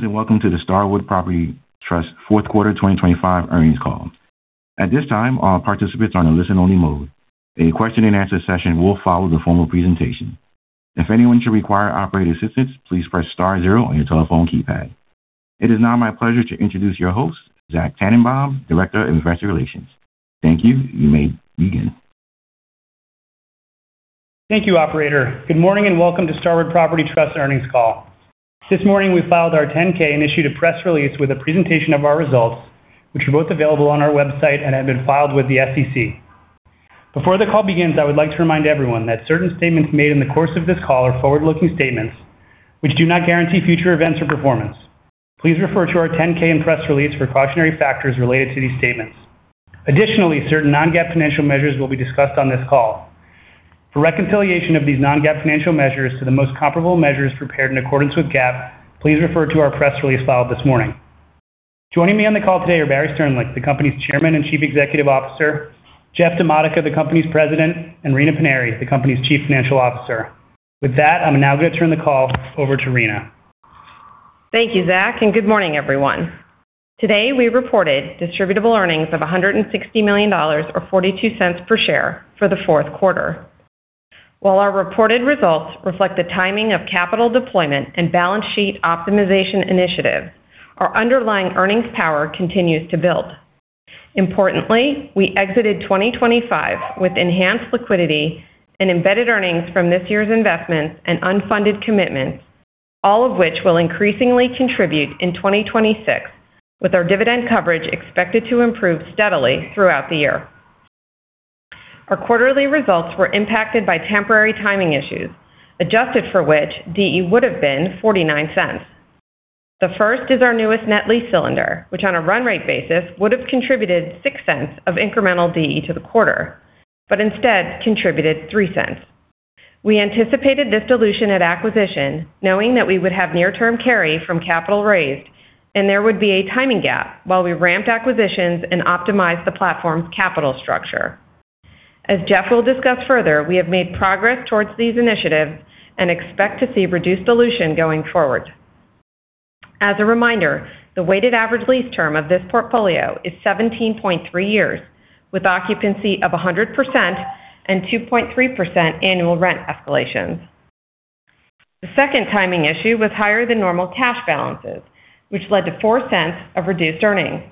Greetings, welcome to the Starwood Property Trust Fourth Quarter 2025 Earnings Call. At this time, all participants are on a listen-only mode. A question-and-answer session will follow the formal presentation. If anyone should require operator assistance, please press star zero on your telephone keypad. It is now my pleasure to introduce your host, Zach Tanenbaum, Director of Investor Relations. Thank you. You may begin. Thank you, operator. Good morning, welcome to Starwood Property Trust earnings call. This morning, we filed our 10-K and issued a press release with a presentation of our results, which are both available on our website and have been filed with the SEC. Before the call begins, I would like to remind everyone that certain statements made in the course of this call are forward-looking statements, which do not guarantee future events or performance. Please refer to our 10-K and press release for cautionary factors related to these statements. Additionally, certain non-GAAP financial measures will be discussed on this call. For reconciliation of these non-GAAP financial measures to the most comparable measures prepared in accordance with GAAP, please refer to our press release filed this morning. Joining me on the call today are Barry Sternlicht, the company's Chairman and Chief Executive Officer, Jeff DiModica, the company's President, and Rina Paniry, the company's Chief Financial Officer. With that, I'm now going to turn the call over to Rina. Thank you, Zach. Good morning, everyone. Today, we reported distributable earnings of $160 million or $0.42 per share for the fourth quarter. While our reported results reflect the timing of capital deployment and balance sheet optimization initiative, our underlying earnings power continues to build. Importantly, we exited 2025 with enhanced liquidity and embedded earnings from this year's investments and unfunded commitments, all of which will increasingly contribute in 2026, with our dividend coverage expected to improve steadily throughout the year. Our quarterly results were impacted by temporary timing issues, adjusted for which DE would have been $0.49. The first is our newest net lease cylinder, which, on a run rate basis, would have contributed $0.06 of incremental DE to the quarter, but instead contributed $0.03. We anticipated this dilution at acquisition, knowing that we would have near-term carry from capital raised, and there would be a timing gap while we ramped acquisitions and optimized the platform's capital structure. As Jeff will discuss further, we have made progress towards these initiatives and expect to see reduced dilution going forward. As a reminder, the weighted average lease term of this portfolio is 17.3 years, with occupancy of 100% and 2.3% annual rent escalations. The second timing issue was higher than normal cash balances, which led to $0.04 of reduced earnings.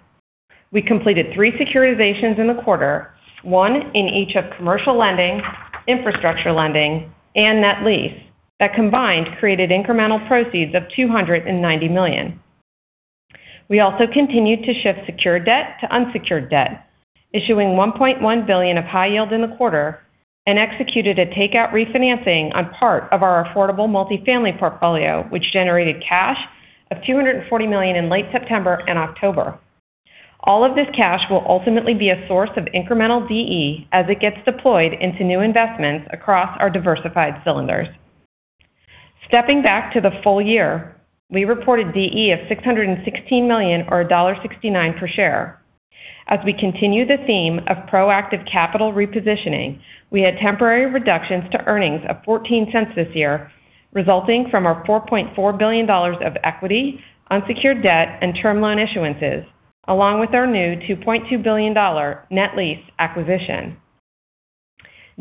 We completed three securitizations in the quarter, one in each of commercial lending, infrastructure lending, and net lease, that combined created incremental proceeds of $290 million. We also continued to shift secured debt to unsecured debt, issuing $1.1 billion of high yield in the quarter, and executed a takeout refinancing on part of our affordable multifamily portfolio, which generated cash of $240 million in late September and October. All of this cash will ultimately be a source of incremental DE as it gets deployed into new investments across our diversified cylinders. Stepping back to the full year, we reported DE of $616 million or $1.69 per share. As we continue the theme of proactive capital repositioning, we had temporary reductions to earnings of $0.14 this year, resulting from our $4.4 billion of equity, unsecured debt, and term loan issuances, along with our new $2.2 billion net lease acquisition.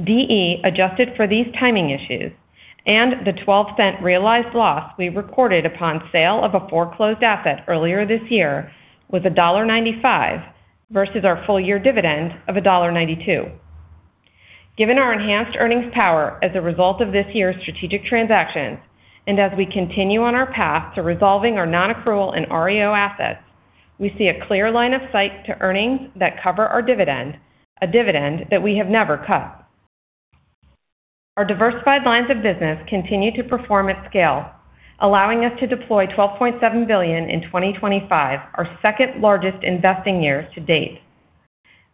DE adjusted for these timing issues and the $0.12 realized loss we recorded upon sale of a foreclosed asset earlier this year was $1.95 versus our full-year dividend of $1.92. Given our enhanced earnings power as a result of this year's strategic transactions, and as we continue on our path to resolving our non-accrual and REO assets, we see a clear line of sight to earnings that cover our dividend, a dividend that we have never cut. Our diversified lines of business continue to perform at scale, allowing us to deploy $12.7 billion in 2025, our second largest investing year to date.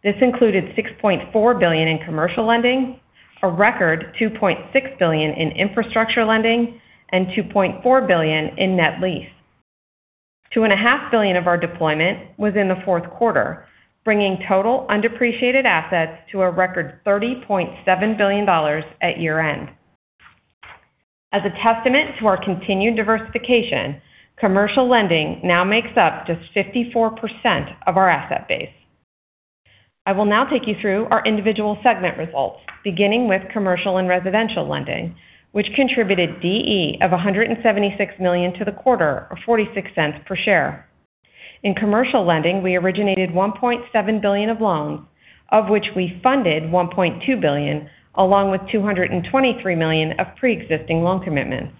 This included $6.4 billion in commercial lending, a record $2.6 billion in infrastructure lending, and $2.4 billion in net lease. $2.5 billion of our deployment was in the fourth quarter, bringing total undepreciated assets to a record $30.7 billion at year-end. As a testament to our continued diversification, commercial lending now makes up just 54% of our asset base. I will now take you through our individual segment results, beginning with commercial and residential lending, which contributed DE of $176 million to the quarter, or $0.46 per share. In commercial lending, we originated $1.7 billion of loans, of which we funded $1.2 billion, along with $223 million of pre-existing loan commitments.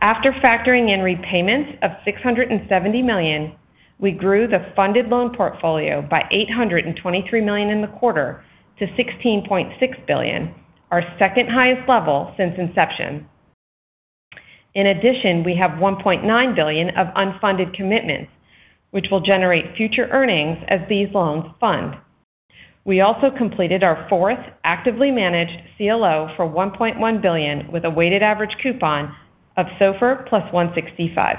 After factoring in repayments of $670 million, we grew the funded loan portfolio by $823 million in the quarter to $16.6 billion, our second highest level since inception. We have $1.9 billion of unfunded commitments, which will generate future earnings as these loans fund. We also completed our fourth actively managed CLO for $1.1 billion, with a weighted average coupon of SOFR plus 165.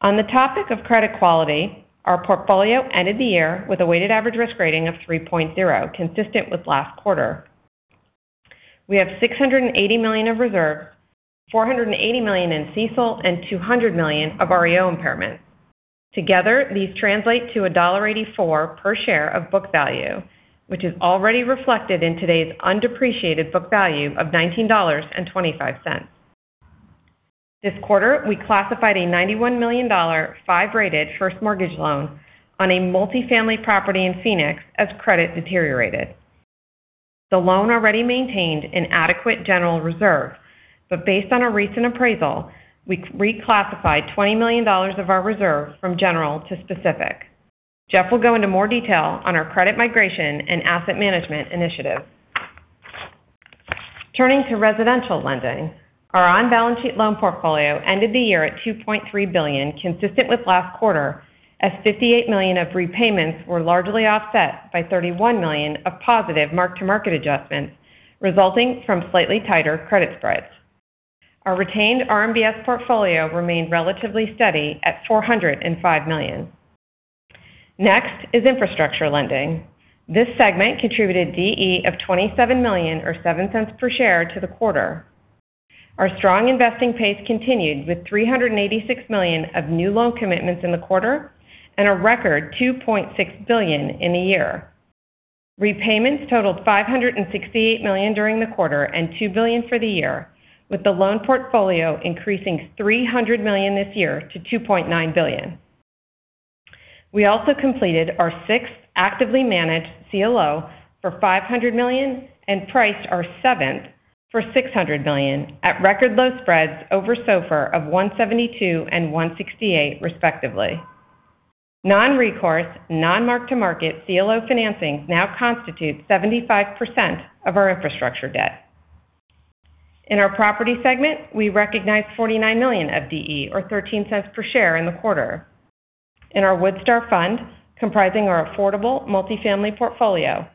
On the topic of credit quality, our portfolio ended the year with a weighted average risk rating of 3.0, consistent with last quarter. We have $680 million of reserves, $480 million in CECL, and $200 million of REO impairments. Together, these translate to $1.84 per share of book value, which is already reflected in today's undepreciated book value of $19.25. This quarter, we classified a $91 million, 5-rated first mortgage loan on a multifamily property in Phoenix as credit deteriorated. The loan already maintained an adequate general reserve. Based on a recent appraisal, we reclassified $20 million of our reserve from general to specific. Jeff will go into more detail on our credit migration and asset management initiative. Turning to residential lending, our on-balance sheet loan portfolio ended the year at $2.3 billion, consistent with last quarter, as $58 million of repayments were largely offset by $31 million of positive mark-to-market adjustments, resulting from slightly tighter credit spreads. Our retained RMBS portfolio remained relatively steady at $405 million. Next is infrastructure lending. This segment contributed DE of $27 million or $0.07 per share to the quarter. Our strong investing pace continued with $386 million of new loan commitments in the quarter and a record $2.6 billion in the year. Repayments totaled $568 million during the quarter and $2 billion for the year, with the loan portfolio increasing $300 million this year to $2.9 billion. We also completed our sixth actively managed CLO for $500 million and priced our seventh for $600 million at record low spreads over SOFR of 172 and 168, respectively. Non-recourse, non-mark-to-market CLO financings now constitute 75% of our infrastructure debt. In our property segment, we recognized $49 million of DE, or $0.13 per share in the quarter. In our Woodstar Fund, comprising our affordable multifamily portfolio,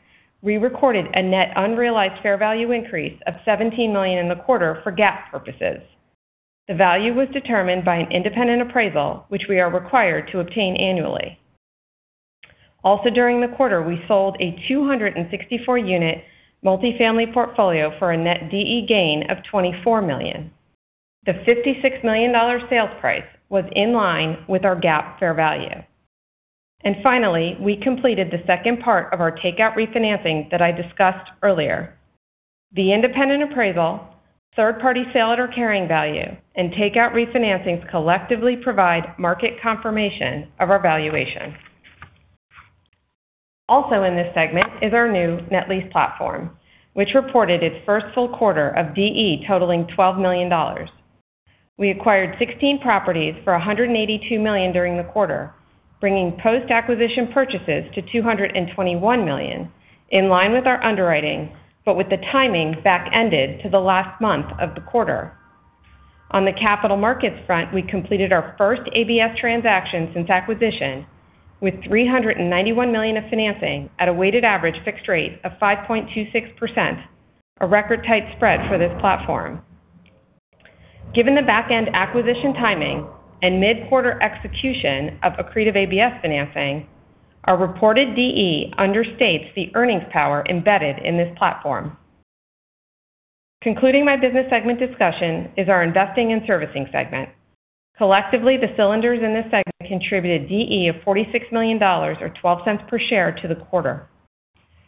we recorded a net unrealized fair value increase of $17 million in the quarter for GAAP purposes. The value was determined by an independent appraisal, which we are required to obtain annually. During the quarter, we sold a 264-unit multifamily portfolio for a net DE gain of $24 million. The $56 million sales price was in line with our GAAP fair value. Finally, we completed the second part of our takeout refinancing that I discussed earlier. The independent appraisal, third-party sale at our carrying value, and takeout refinancings collectively provide market confirmation of our valuation. In this segment is our new net lease platform, which reported its first full quarter of DE totaling $12 million. We acquired 16 properties for $182 million during the quarter, bringing post-acquisition purchases to $221 million, in line with our underwriting, with the timing back-ended to the last month of the quarter. On the capital markets front, we completed our first ABS transaction since acquisition, with $391 million of financing at a weighted average fixed rate of 5.26%, a record tight spread for this platform. Given the back-end acquisition timing and mid-quarter execution of accretive ABS financing, our reported DE understates the earnings power embedded in this platform. Concluding my business segment discussion is our investing and servicing segment. Collectively, the cylinders in this segment contributed DE of $46 million, or $0.12 per share to the quarter.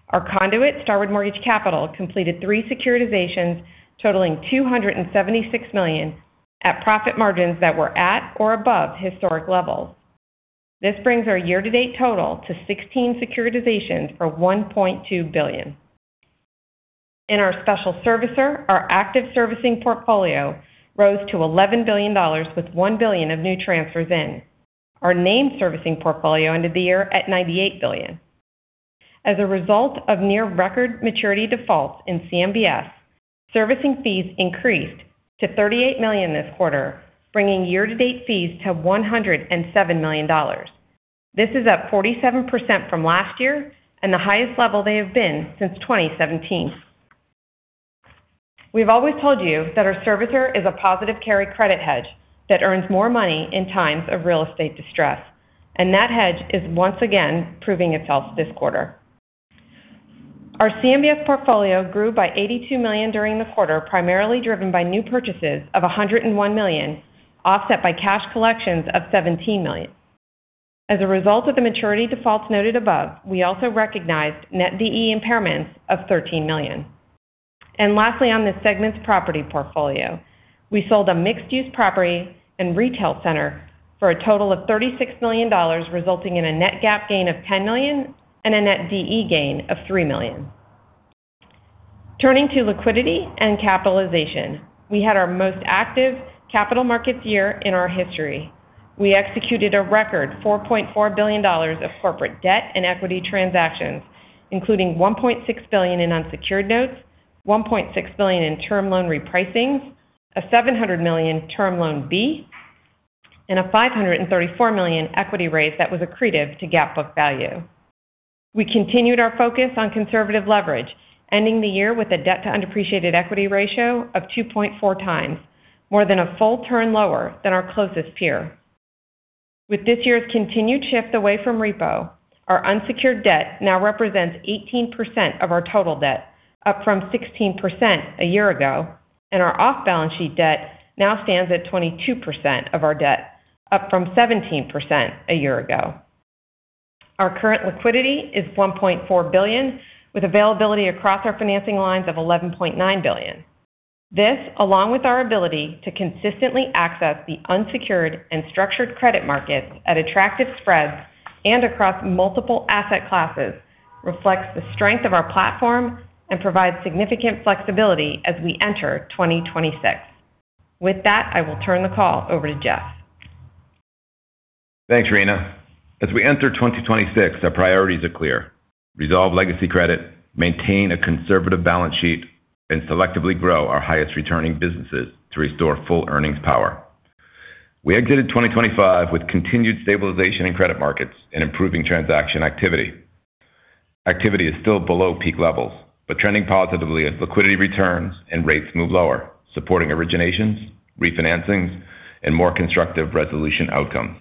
Our conduit, Starwood Mortgage Capital, completed three securitizations totaling $276 million at profit margins that were at or above historic levels. This brings our year-to-date total to 16 securitizations for $1.2 billion. In our special servicer, our active servicing portfolio rose to $11 billion, with $1 billion of new transfers in. Our named servicing portfolio ended the year at $98 billion. As a result of near record maturity defaults in CMBS, servicing fees increased to $38 million this quarter, bringing year-to-date fees to $107 million. This is up 47% from last year and the highest level they have been since 2017. We've always told you that our servicer is a positive carry credit hedge that earns more money in times of real estate distress, and that hedge is once again proving itself this quarter. Our CMBS portfolio grew by $82 million during the quarter, primarily driven by new purchases of $101 million, offset by cash collections of $17 million. As a result of the maturity defaults noted above, we also recognized net DE impairments of $13 million. Lastly, on this segment's property portfolio, we sold a mixed-use property and retail center for a total of $36 million, resulting in a net GAAP gain of $10 million and a net DE gain of $3 million. Turning to liquidity and capitalization, we had our most active capital markets year in our history. We executed a record $4.4 billion of corporate debt and equity transactions, including $1.6 billion in unsecured notes, $1.6 billion in term loan repricings, a $700 million Term Loan B, and a $534 million equity raise that was accretive to GAAP book value. We continued our focus on conservative leverage, ending the year with a debt to undepreciated equity ratio of 2.4x, more than a full turn lower than our closest peer. With this year's continued shift away from repo, our unsecured debt now represents 18% of our total debt, up from 16% a year ago, and our off-balance sheet debt now stands at 22% of our debt, up from 17% a year ago. Our current liquidity is $1.4 billion, with availability across our financing lines of $11.9 billion. This, along with our ability to consistently access the unsecured and structured credit markets at attractive spreads and across multiple asset classes, reflects the strength of our platform and provides significant flexibility as we enter 2026. With that, I will turn the call over to Jeff. Thanks, Rina. As we enter 2026, our priorities are clear: resolve legacy credit, maintain a conservative balance sheet, and selectively grow our highest returning businesses to restore full earnings power. We exited 2025 with continued stabilization in credit markets and improving transaction activity. Activity is still below peak levels, but trending positively as liquidity returns and rates move lower, supporting originations, refinancings, and more constructive resolution outcomes.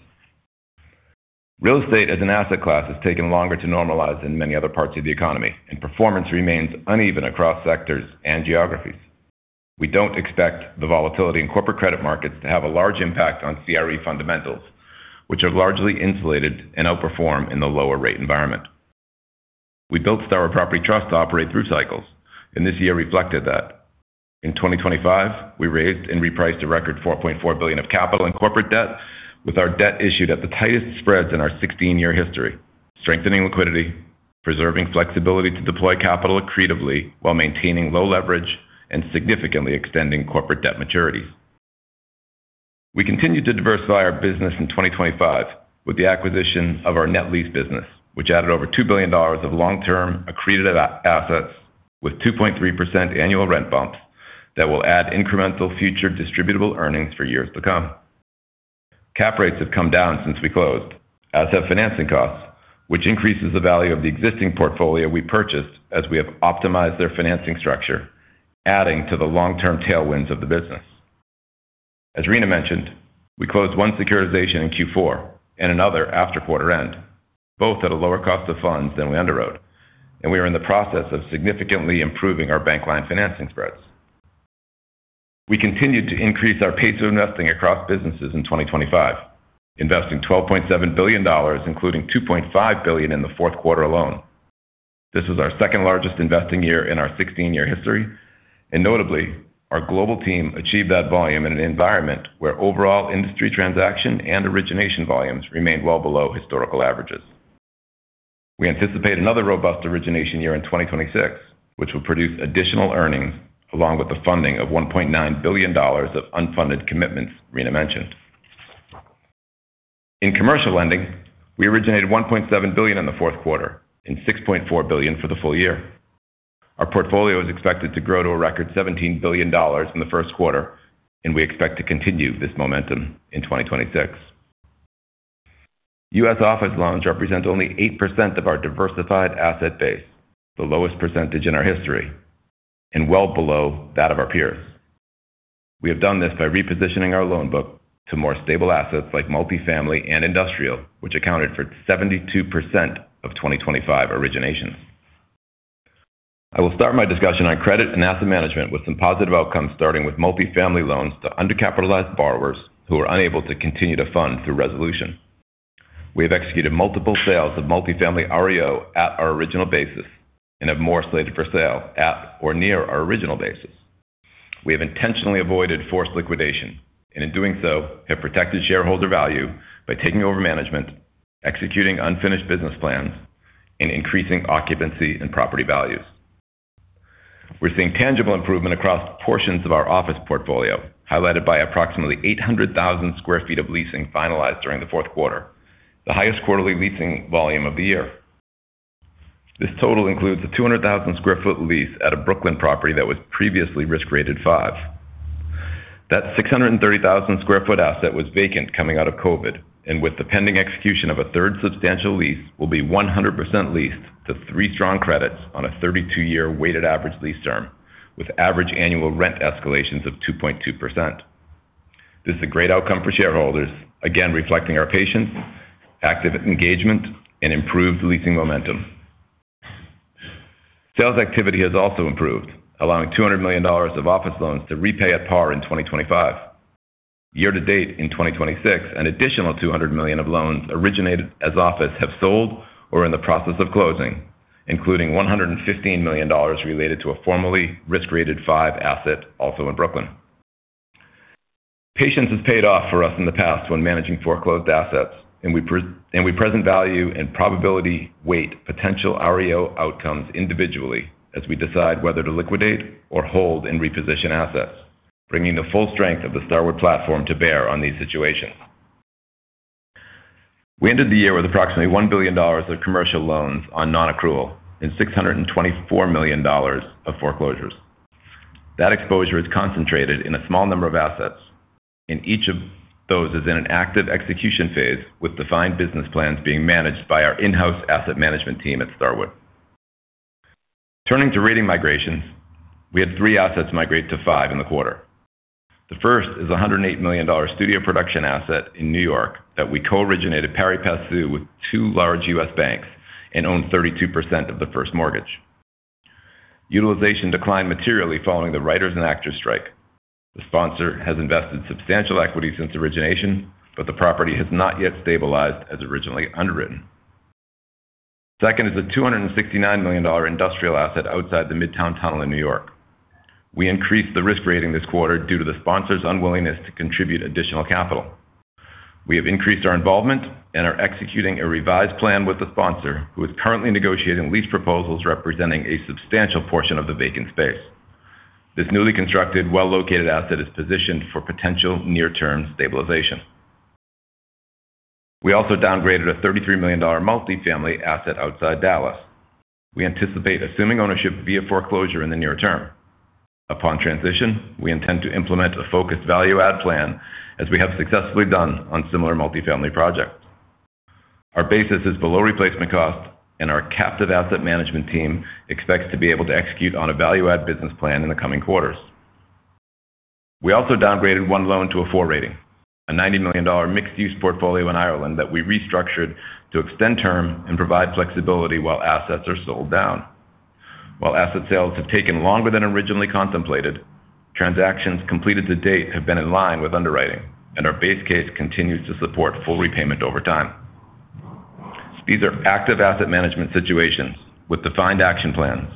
Real estate as an asset class has taken longer to normalize than many other parts of the economy, and performance remains uneven across sectors and geographies. We don't expect the volatility in corporate credit markets to have a large impact on CRE fundamentals, which are largely insulated and outperform in the lower rate environment. We built Starwood Property Trust to operate through cycles, and this year reflected that. In 2025, we raised and repriced a record $4.4 billion of capital in corporate debt, with our debt issued at the tightest spreads in our 16-year history, strengthening liquidity, preserving flexibility to deploy capital accretively while maintaining low leverage and significantly extending corporate debt maturities. We continued to diversify our business in 2025 with the acquisition of our net lease business, which added over $2 billion of long-term accreted assets, with 2.3% annual rent bumps that will add incremental future distributable earnings for years to come. Cap rates have come down since we closed, as have financing costs, which increases the value of the existing portfolio we purchased as we have optimized their financing structure, adding to the long-term tailwinds of the business. As Rina mentioned, we closed one securitization in Q4 and another after quarter end, both at a lower cost of funds than we underwrote. We are in the process of significantly improving our bank line financing spreads. We continued to increase our pace of investing across businesses in 2025, investing $12.7 billion, including $2.5 billion in the fourth quarter alone. This was our second-largest investing year in our 16-year history. Notably, our global team achieved that volume in an environment where overall industry transaction and origination volumes remained well below historical averages. We anticipate another robust origination year in 2026, which will produce additional earnings, along with the funding of $1.9 billion of unfunded commitments Rina mentioned. In commercial lending, we originated $1.7 billion in the fourth quarter and $6.4 billion for the full year. Our portfolio is expected to grow to a record $17 billion in the first quarter. We expect to continue this momentum in 2026. U.S. office loans represent only 8% of our diversified asset base, the lowest percentage in our history and well below that of our peers. We have done this by repositioning our loan book to more stable assets like multifamily and industrial, which accounted for 72% of 2025 originations. I will start my discussion on credit and asset management with some positive outcomes, starting with multifamily loans to undercapitalized borrowers who are unable to continue to fund through resolution. We have executed multiple sales of multifamily REO at our original basis and have more slated for sale at or near our original basis. We have intentionally avoided forced liquidation, and in doing so, have protected shareholder value by taking over management, executing unfinished business plans, and increasing occupancy and property values. We're seeing tangible improvement across portions of our office portfolio, highlighted by approximately 800,000 sq ft of leasing finalized during the fourth quarter, the highest quarterly leasing volume of the year. This total includes a 200,000 sq ft lease at a Brooklyn property that was previously risk rated five. That 630,000 sq ft asset was vacant coming out of COVID, and with the pending execution of a third substantial lease, will be 100% leased to three strong credits on a 32-year weighted average lease term, with average annual rent escalations of 2.2%. This is a great outcome for shareholders, again, reflecting our patience, active engagement, and improved leasing momentum. Sales activity has also improved, allowing $200 million of office loans to repay at par in 2025. Year to date in 2026, an additional $200 million of loans originated as office have sold or are in the process of closing, including $115 million related to a formerly risk-rated five asset, also in Brooklyn. Patience has paid off for us in the past when managing foreclosed assets, and we present value and probability weight potential REO outcomes individually as we decide whether to liquidate or hold and reposition assets, bringing the full strength of the Starwood platform to bear on these situations. We ended the year with approximately $1 billion of commercial loans on non-accrual and $624 million of foreclosures. That exposure is concentrated in a small number of assets, and each of those is in an active execution phase, with defined business plans being managed by our in-house asset management team at Starwood. Turning to rating migrations, we had three assets migrate to five in the quarter. The first is a $108 million studio production asset in New York that we co-originated pari passu with two large U.S. banks and own 32% of the first mortgage. Utilization declined materially following the writers and actors strike. The sponsor has invested substantial equity since origination, but the property has not yet stabilized as originally underwritten. Second is a $269 million industrial asset outside the Midtown Tunnel in New York. We increased the risk rating this quarter due to the sponsor's unwillingness to contribute additional capital. We have increased our involvement and are executing a revised plan with the sponsor, who is currently negotiating lease proposals representing a substantial portion of the vacant space. This newly constructed, well-located asset is positioned for potential near-term stabilization. We also downgraded a $33 million multifamily asset outside Dallas. We anticipate assuming ownership via foreclosure in the near term. Upon transition, we intend to implement a focused value add plan, as we have successfully done on similar multifamily projects. Our basis is below replacement cost, and our captive asset management team expects to be able to execute on a value add business plan in the coming quarters. We also downgraded one loan to a four rating, a $90 million mixed-use portfolio in Ireland that we restructured to extend term and provide flexibility while assets are sold down. While asset sales have taken longer than originally contemplated, transactions completed to date have been in line with underwriting, and our base case continues to support full repayment over time. These are active asset management situations with defined action plans,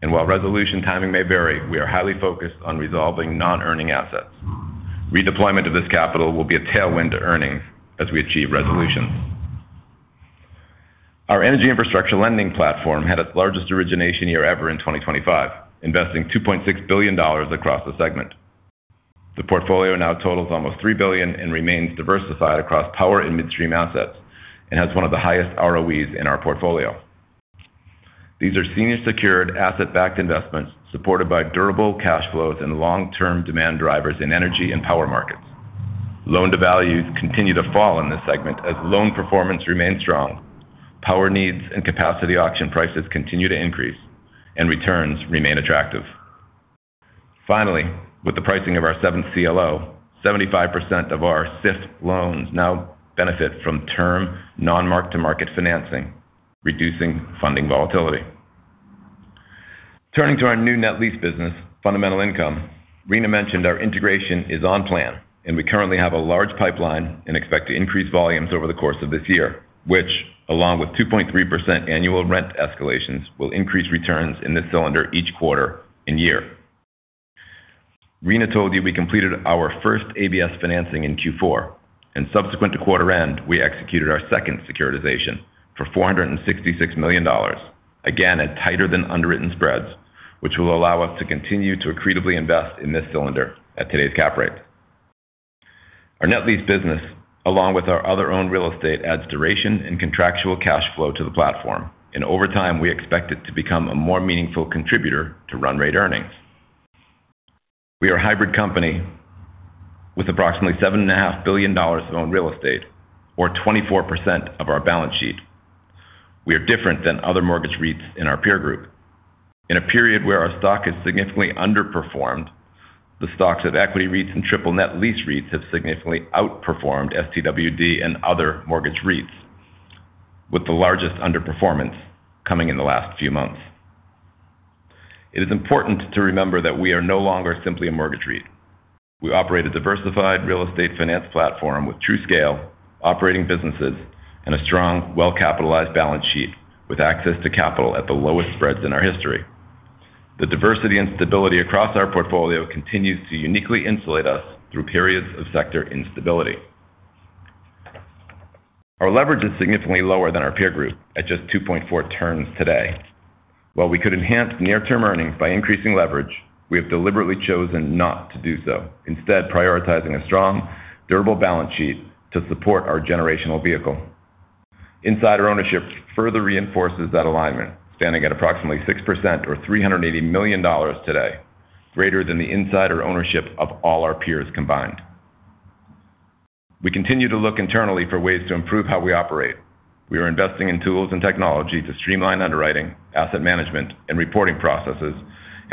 and while resolution timing may vary, we are highly focused on resolving non-earning assets. Redeployment of this capital will be a tailwind to earnings as we achieve resolutions. Our energy infrastructure lending platform had its largest origination year ever in 2025, investing $2.6 billion across the segment. The portfolio now totals almost $3 billion and remains diversified across power and midstream assets, and has one of the highest ROEs in our portfolio. These are senior secured asset-backed investments, supported by durable cash flows and long-term demand drivers in energy and power markets. Loan devalues continue to fall in this segment as loan performance remains strong. Power needs and capacity auction prices continue to increase, and returns remain attractive. Finally, with the pricing of our seventh CLO, 75% of our SIF loans now benefit from term non-mark-to-market financing, reducing funding volatility. Turning to our new net lease business, Fundamental Income, Rina mentioned our integration is on plan, and we currently have a large pipeline and expect to increase volumes over the course of this year, which, along with 2.3% annual rent escalations, will increase returns in this cylinder each quarter and year. Rina told you we completed our first ABS financing in Q4. Subsequent to quarter end, we executed our second securitization for $466 million. Again, at tighter than underwritten spreads, which will allow us to continue to accretively invest in this cylinder at today's cap rate. Our net lease business, along with our other owned real estate, adds duration and contractual cash flow to the platform. Over time, we expect it to become a more meaningful contributor to run rate earnings. We are a hybrid company with approximately $7.5 billion of owned real estate, or 24% of our balance sheet. We are different than other mortgage REITs in our peer group. In a period where our stock has significantly underperformed, the stocks of equity REITs and triple net lease REITs have significantly outperformed STWD and other mortgage REITs, with the largest underperformance coming in the last few months. It is important to remember that we are no longer simply a mortgage REIT. We operate a diversified real estate finance platform with true scale, operating businesses, and a strong, well-capitalized balance sheet, with access to capital at the lowest spreads in our history. The diversity and stability across our portfolio continues to uniquely insulate us through periods of sector instability. Our leverage is significantly lower than our peer group at just 2.4 turns today. While we could enhance near-term earnings by increasing leverage, we have deliberately chosen not to do so, instead prioritizing a strong, durable balance sheet to support our generational vehicle. Insider ownership further reinforces that alignment, standing at approximately 6% or $380 million today, greater than the insider ownership of all our peers combined. We continue to look internally for ways to improve how we operate. We are investing in tools and technology to streamline underwriting, asset management, and reporting processes.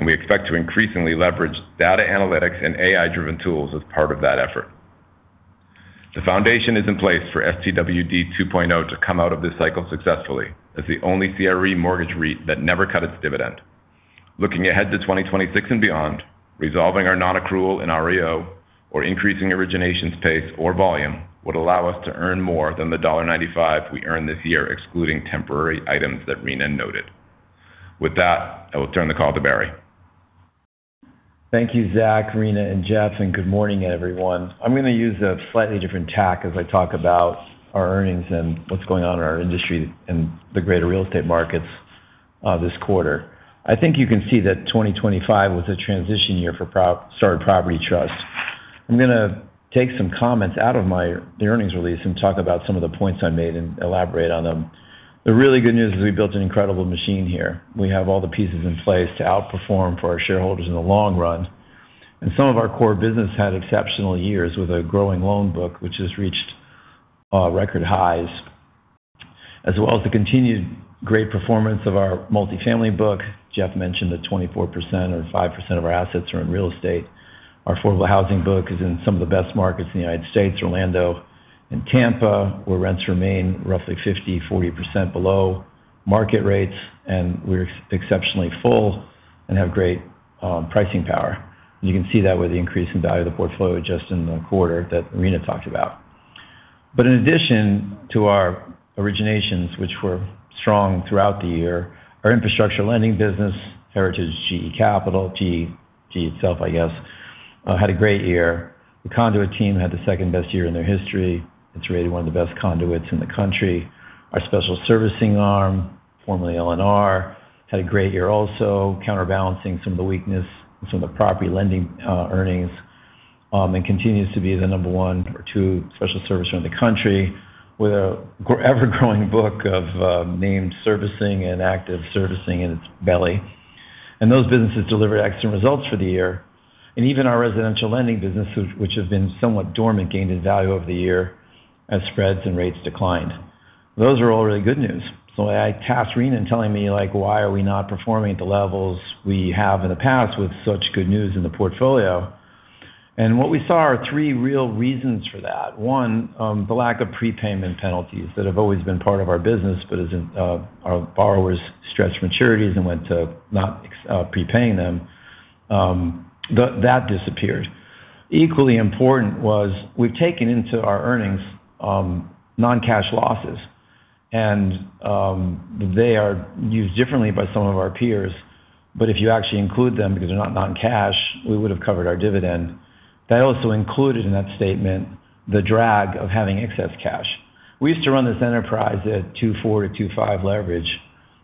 We expect to increasingly leverage data analytics and AI-driven tools as part of that effort. The foundation is in place for STWD 2.0 to come out of this cycle successfully, as the only CRE mortgage REIT that never cut its dividend. Looking ahead to 2026 and beyond, resolving our non-accrual in REO or increasing origination pace or volume, would allow us to earn more than the $1.95 we earned this year, excluding temporary items that Rina noted. With that, I will turn the call to Barry. Thank you, Zach, Rina, and Jeff. Good morning, everyone. I'm going to use a slightly different tack as I talk about our earnings and what's going on in our industry and the greater real estate markets this quarter. I think you can see that 2025 was a transition year for Starwood Property Trust. I'm gonna take some comments out of the earnings release and talk about some of the points I made and elaborate on them. The really good news is we built an incredible machine here. We have all the pieces in place to outperform for our shareholders in the long run, and some of our core business had exceptional years with a growing loan book, which has reached record highs, as well as the continued great performance of our multifamily book. Jeff mentioned that 24% or 5% of our assets are in real estate. Our affordable housing book is in some of the best markets in the United States, Orlando and Tampa, where rents remain roughly 50%, 40% below market rates, and we're exceptionally full and have great pricing power. You can see that with the increase in value of the portfolio just in the quarter that Rina talked about. In addition to our originations, which were strong throughout the year, our infrastructure lending business, Heritage GE Capital, GE itself, I guess, had a great year. The Conduit team had the second-best year in their history. It's really one of the best conduits in the country. Our special servicing arm, formerly LNR, had a great year also, counterbalancing some of the weakness in some of the property lending earnings, and continues to be the number one or two special servicer in the country, with an ever-growing book of named servicing and active servicing in its belly. Those businesses delivered excellent results for the year. Even our residential lending businesses, which have been somewhat dormant, gained in value over the year as spreads and rates declined. Those are all really good news. I asked Rina, telling me, like, "Why are we not performing at the levels we have in the past with such good news in the portfolio?" What we saw are three real reasons for that. One, the lack of prepayment penalties that have always been part of our business, but as our borrowers stretched maturities and went to not prepaying them, that disappeared. Equally important was we've taken into our earnings non-cash losses, and they are used differently by some of our peers. If you actually include them because they're not non-cash, we would have covered our dividend. That also included, in that statement, the drag of having excess cash. We used to run this enterprise at 2.4-2.5 leverage.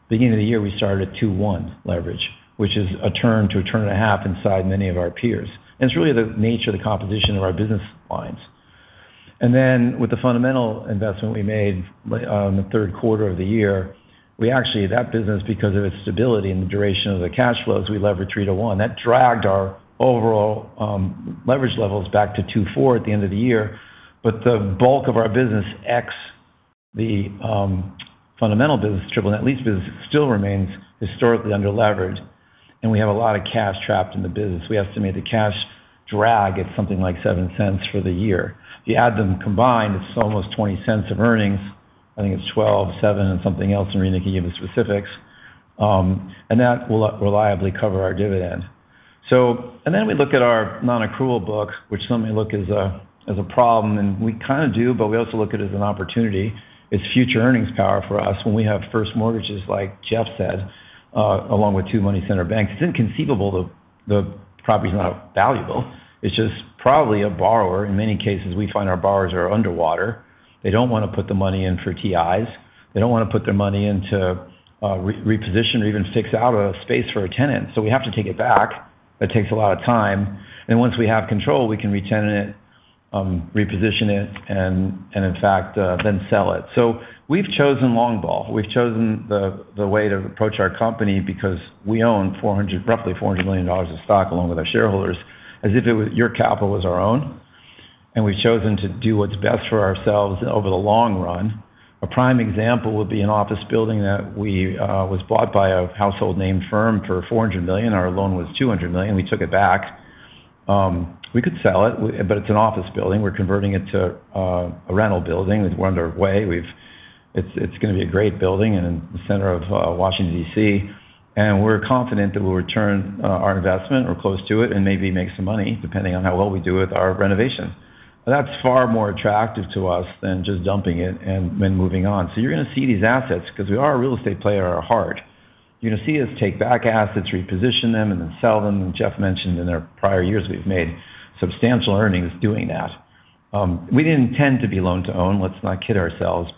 Beginning of the year, we started at 2.1 leverage, which is a turn to a turn and a half inside many of our peers. It's really the nature of the composition of our business lines. With the fundamental investment we made in the third quarter of the year, That business, because of its stability and the duration of the cash flows, we leveraged three to one. That dragged our overall leverage levels back to 2.4 at the end of the year. The bulk of our business, ex the fundamental business, triple net lease business, still remains historically under-leveraged, and we have a lot of cash trapped in the business. We estimate the cash drag at something like $0.07 for the year. If you add them combined, it's almost $0.20 of earnings. I think it's $0.12, $0.07, and something else, and Rina can give you specifics. That will reliably cover our dividend. Then we look at our nonaccrual book, which some may look as a problem, and we kind of do, but we also look at it as an opportunity. It's future earnings power for us when we have first mortgages, like Jeff said, along with two money center banks. It's inconceivable the property is not valuable. It's just probably a borrower. In many cases, we find our borrowers are underwater. They don't want to put the money in for TIs. They don't want to put their money in to reposition or even fix out a space for a tenant. We have to take it back. That takes a lot of time. Once we have control, we can retenant it, reposition it, and in fact, then sell it. We've chosen long ball. We've chosen the way to approach our company because we own roughly $400 million of stock, along with our shareholders, as if your capital was our own, and we've chosen to do what's best for ourselves over the long run. A prime example would be an office building that we was bought by a household name firm for $400 million. Our loan was $200 million. We took it back. We could sell it, but it's an office building. We're converting it to a rental building. It's well underway. It's going to be a great building in the center of Washington, D.C. We're confident that we'll return our investment or close to it and maybe make some money, depending on how well we do with our renovation. That's far more attractive to us than just dumping it and moving on. You're going to see these assets because we are a real estate player at heart. You're going to see us take back assets, reposition them, and then sell them. Jeff mentioned in the prior years, we've made substantial earnings doing that. We didn't intend to be loan to own. Let's not kid ourselves.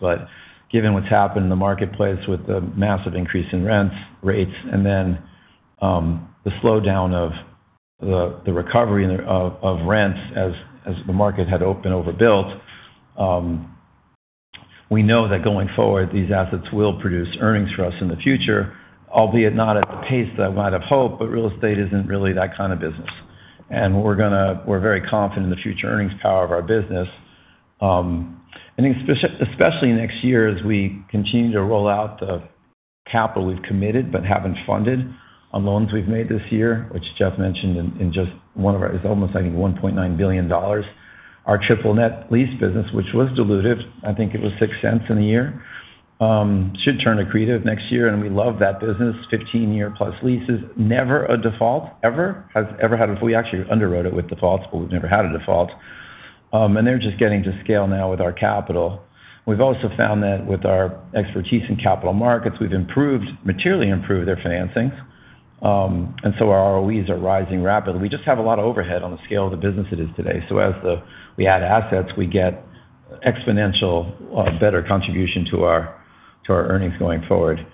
Given what's happened in the marketplace with the massive increase in rents, rates, and then the slowdown of the recovery in the rents as the market had been overbuilt, we know that going forward, these assets will produce earnings for us in the future, albeit not at the pace that we might have hoped, but real estate isn't really that kind of business. We're very confident in the future earnings power of our business. especially next year, as we continue to roll out the capital we've committed but haven't funded on loans we've made this year, which Jeff mentioned in just one of our... It's almost, I think, $1.9 billion. Our triple net lease business, which was dilutive, I think it was $0.06 in the year, should turn accretive next year, and we love that business. 15-year-plus leases, never a default, ever. We actually underwrote it with defaults, but we've never had a default. They're just getting to scale now with our capital. We've also found that with our expertise in capital markets, we've improved, materially improved their financings, so our ROEs are rising rapidly. We just have a lot of overhead on the scale of the business it is today. As we add assets, we get exponential better contribution to our earnings going forward.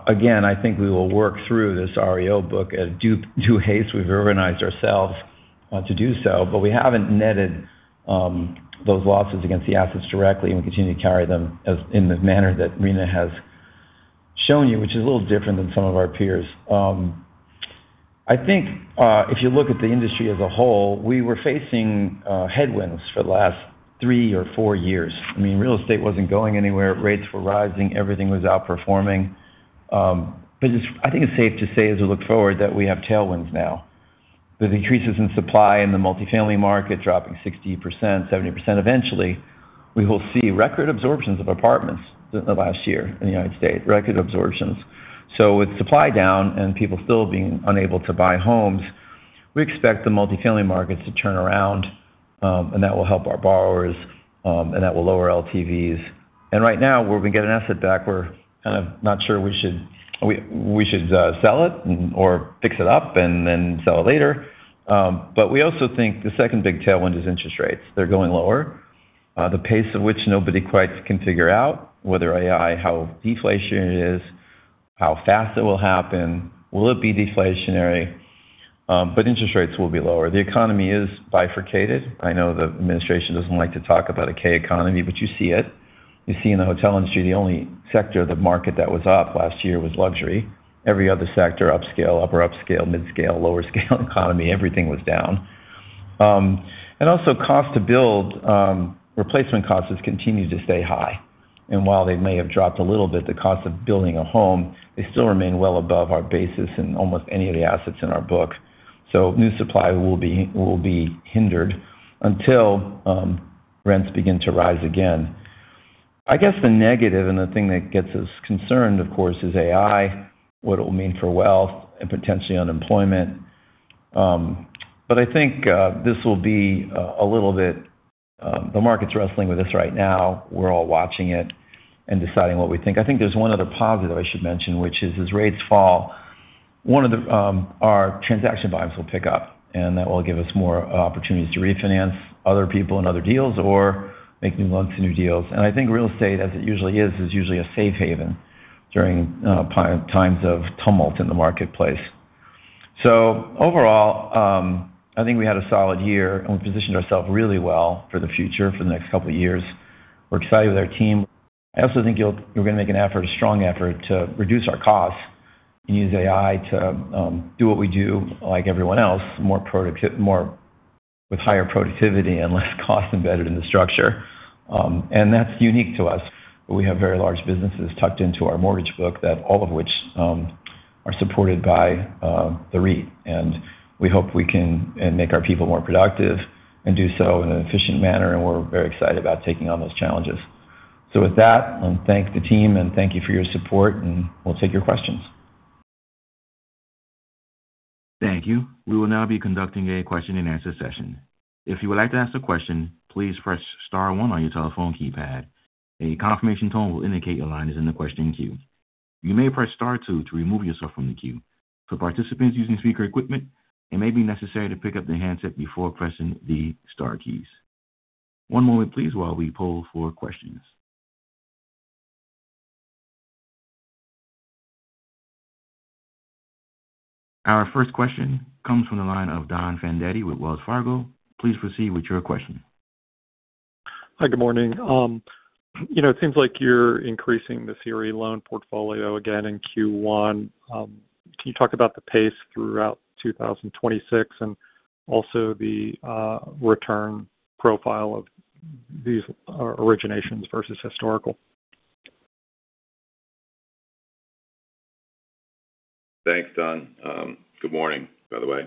Again, I think we will work through this REO book at due haste. We've organized ourselves to do so, but we haven't netted those losses against the assets directly, and we continue to carry them as, in the manner that Rina has shown you, which is a little different than some of our peers. I think if you look at the industry as a whole, we were facing headwinds for the last three or four years. I mean, real estate wasn't going anywhere. Rates were rising, everything was outperforming. But I think it's safe to say, as we look forward, that we have tailwinds now. With increases in supply in the multifamily market dropping 60%, 70%, eventually, we will see record absorptions of apartments in the last year in the United States, record absorptions. With supply down and people still being unable to buy homes, we expect the multifamily markets to turn around, and that will help our borrowers, and that will lower LTVs. Right now, where we get an asset back, we're kind of not sure we should sell it or fix it up and then sell it later. We also think the second big tailwind is interest rates. They're going lower, the pace of which nobody quite can figure out, whether AI, how deflationary it is, how fast it will happen, will it be deflationary? Interest rates will be lower. The economy is bifurcated. I know the administration doesn't like to talk about a K economy, you see it. You see in the hotel industry, the only sector of the market that was up last year was luxury. Every other sector, upscale, upper upscale, mid-scale, lower-scale economy, everything was down. Also cost to build, replacement costs have continued to stay high, while they may have dropped a little bit, the cost of building a home, they still remain well above our basis in almost any of the assets in our book. New supply will be hindered until rents begin to rise again. I guess the negative and the thing that gets us concerned, of course, is AI, what it will mean for wealth and potentially unemployment. I think this will be a little bit, the market's wrestling with this right now. We're all watching it and deciding what we think. I think there's one other positive I should mention, which is, as rates fall, our transaction volumes will pick up, and that will give us more opportunities to refinance other people and other deals or make new loans to new deals. I think real estate, as it usually is usually a safe haven during times of tumult in the marketplace. Overall, I think we had a solid year, and we positioned ourselves really well for the future, for the next couple of years. We're excited with our team. I also think we're going to make an effort, a strong effort to reduce our costs and use AI to do what we do, like everyone else, more with higher productivity and less cost embedded in the structure. That's unique to us. We have very large businesses tucked into our mortgage book that all of which are supported by the REIT, and we hope we can, and make our people more productive and do so in an efficient manner, and we're very excited about taking on those challenges. With that, I want to thank the team, and thank you for your support, and we'll take your questions. Thank you. We will now be conducting a question-and-answer session. If you would like to ask a question, please press star one on your telephone keypad. A confirmation tone will indicate your line is in the question queue. You may press star two to remove yourself from the queue. For participants using speaker equipment, it may be necessary to pick up the handset before pressing the star keys. One moment, please, while we poll for questions. Our first question comes from the line of Don Fandetti with Wells Fargo. Please proceed with your question. Hi, good morning. You know, it seems like you're increasing the CRE loan portfolio again in Q1. Can you talk about the pace throughout 2026 and also the return profile of these originations versus historical? Thanks, Don. Good morning, by the way.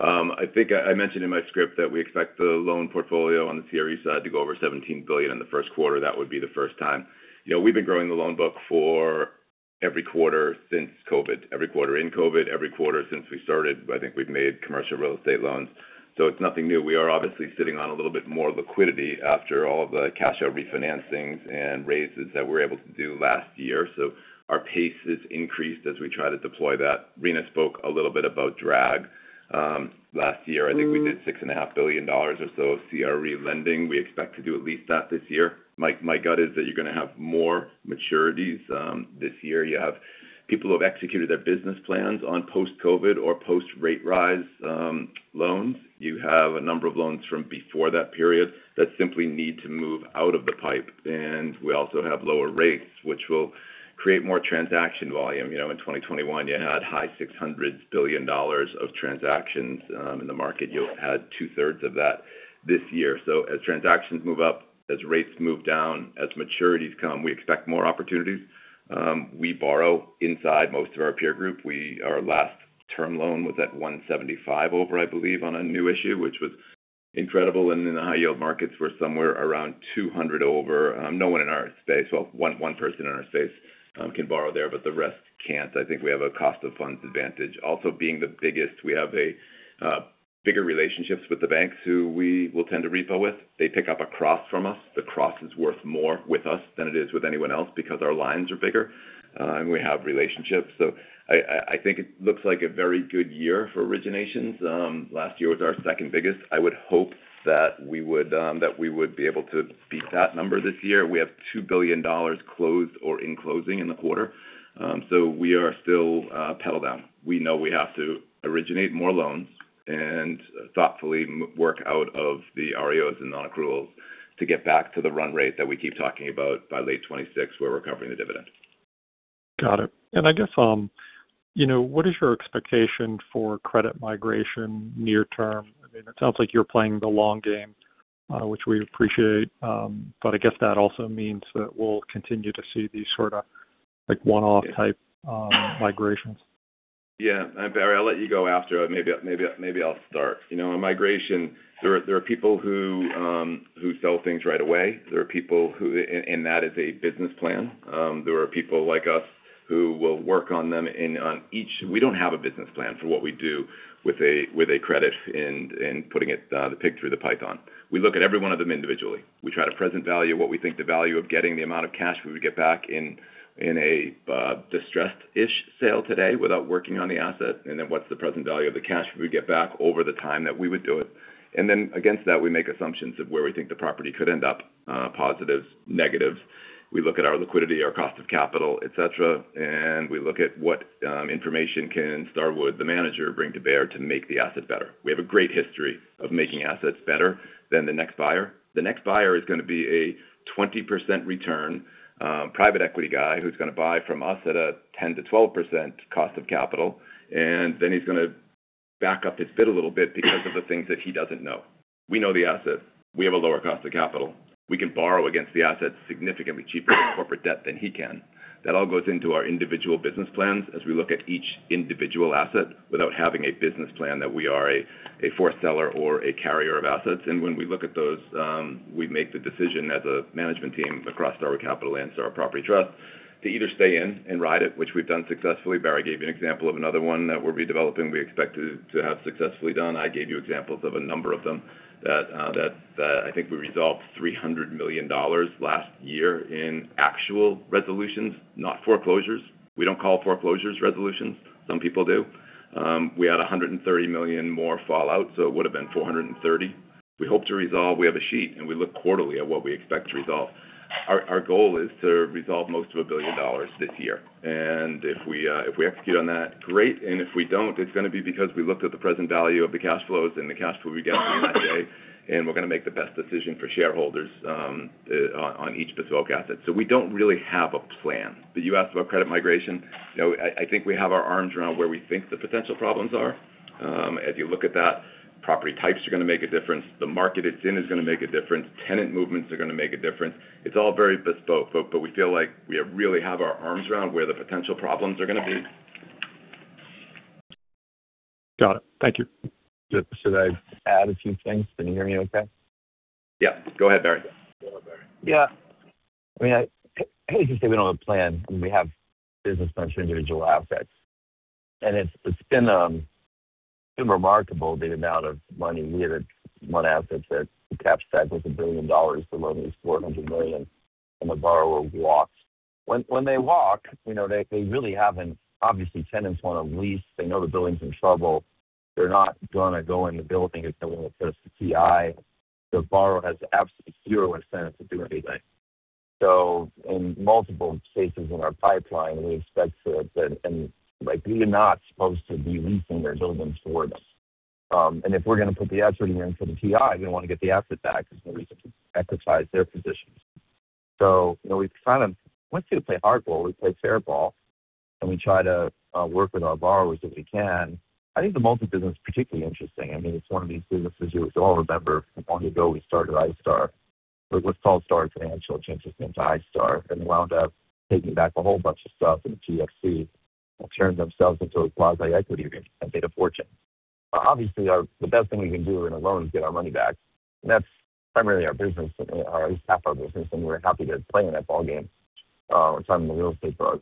I think I mentioned in my script that we expect the loan portfolio on the CRE side to go over $17 billion in the first quarter. That would be the first time. You know, we've been growing the loan book for every quarter since COVID, every quarter in COVID, every quarter since we started, I think we've made commercial real estate loans, so it's nothing new. We are obviously sitting on a little bit more liquidity after all the cash out refinancings and raises that we're able to do last year, so our pace is increased as we try to deploy that. Rina spoke a little bit about drag. Last year, I think we did six and a half billion dollars or so of CRE lending. We expect to do at least that this year. My gut is that you're going to have more maturities this year. You have people who have executed their business plans on post-COVID or post-rate rise loans. You have a number of loans from before that period that simply need to move out of the pipe. We also have lower rates, which will create more transaction volume. You know, in 2021, you had high $600 billion of transactions in the market. You'll have had two-thirds of that this year. As transactions move up, as rates move down, as maturities come, we expect more opportunities. We borrow inside most of our peer group. Our last term loan was at 175 over, I believe, on a new issue, which was incredible. The high yield markets were somewhere around 200 over. No one in our space, well, one person in our space, can borrow there, but the rest can't. I think we have a cost of funds advantage. Also, being the biggest, we have bigger relationships with the banks who we will tend to repo with. They pick up a cross from us. The cross is worth more with us than it is with anyone else because our lines are bigger, and we have relationships. I think it looks like a very good year for originations. Last year was our second biggest. I would hope that we would that we would be able to beat that number this year. We have $2 billion closed or in closing in the quarter, so we are still pedal down. We know we have to originate more loans and thoughtfully work out of the REOs and non-accruals to get back to the run rate that we keep talking about by late 2026, where we're covering the dividend. Got it. I guess, you know, what is your expectation for credit migration near term? I mean, it sounds like you're playing the long game, which we appreciate, but I guess that also means that we'll continue to see these sort of like one-off type, migrations. Yeah, Barry, I'll let you go after. Maybe I'll start. You know, in migration, there are people who sell things right away. There are people and that is a business plan. There are people like us who will work on them. We don't have a business plan for what we do with a credit and putting it the pig through the python. We look at every one of them individually. We try to present value of what we think the value of getting the amount of cash we would get back in a distressed-ish sale today without working on the asset. Then what's the present value of the cash we get back over the time that we would do it? Against that, we make assumptions of where we think the property could end up, positives, negatives. We look at our liquidity, our cost of capital, et cetera, and we look at what information can Starwood, the manager, bring to bear to make the asset better. We have a great history of making assets better than the next buyer. The next buyer is going to be a 20% return private equity guy who's going to buy from us at a 10%-12% cost of capital, and then he's gonna back up his bid a little bit because of the things that he doesn't know. We know the assets. We have a lower cost of capital. We can borrow against the assets significantly cheaper than corporate debt than he can. That all goes into our individual business plans as we look at each individual asset without having a business plan that we are a fore seller or a carrier of assets. When we look at those, we make the decision as a management team across Starwood Capital and Starwood Property Trust to either stay in and ride it, which we've done successfully. Barry gave you an example of another one that we're redeveloping. We expect to have successfully done. I gave you examples of a number of them that I think we resolved $300 million last year in actual resolutions, not foreclosures. We don't call foreclosures resolutions. Some people do. We had $130 million more fallout, so it would have been $430 million. We hope to resolve. We have a sheet. We look quarterly at what we expect to resolve. Our goal is to resolve most of $1 billion this year. If we execute on that, great. If we don't, it's going to be because we looked at the present value of the cash flows and the cash flow we get today. We're going to make the best decision for shareholders, on each bespoke asset. We don't really have a plan. You asked about credit migration. You know, I think we have our arms around where we think the potential problems are. As you look at that, property types are going to make a difference. The market it's in is going to make a difference. Tenant movements are going to make a difference. It's all very bespoke, but we feel like we really have our arms around where the potential problems are going to be. Got it. Thank you. Should I add a few things? Can you hear me okay? Yeah, go ahead, Barry. Yeah. I mean, I hate to say we don't have a plan. We have business plans for individual assets. It's been remarkable the amount of money we had one asset that capsized with $1 billion to loan $400 million. The borrower walks. When they walk, you know, they really haven't. Obviously, tenants want to lease. They know the building's in trouble. They're not going to go in the building if no one puts the TI. The borrower has absolutely zero incentive to do anything. In multiple cases in our pipeline, like, we are not supposed to be leasing their buildings for them. If we're going to put the effort in for the TI, we want to get the asset back. There's no reason to exercise their positions. You know, we kind of want you to play hardball, we play fairball, and we try to work with our borrowers if we can. I think the multi-business is particularly interesting. I mean, it's one of these businesses you all remember from long ago. We started iStar. It was called Star Financial, changed its name to iStar, and wound up taking back a whole bunch of stuff in the GFC and turned themselves into a quasi-equity and made a fortune. Obviously, the best thing we can do in a loan is get our money back, and that's primarily our business, at least half our business, and we're happy to play in that ballgame on the real estate part.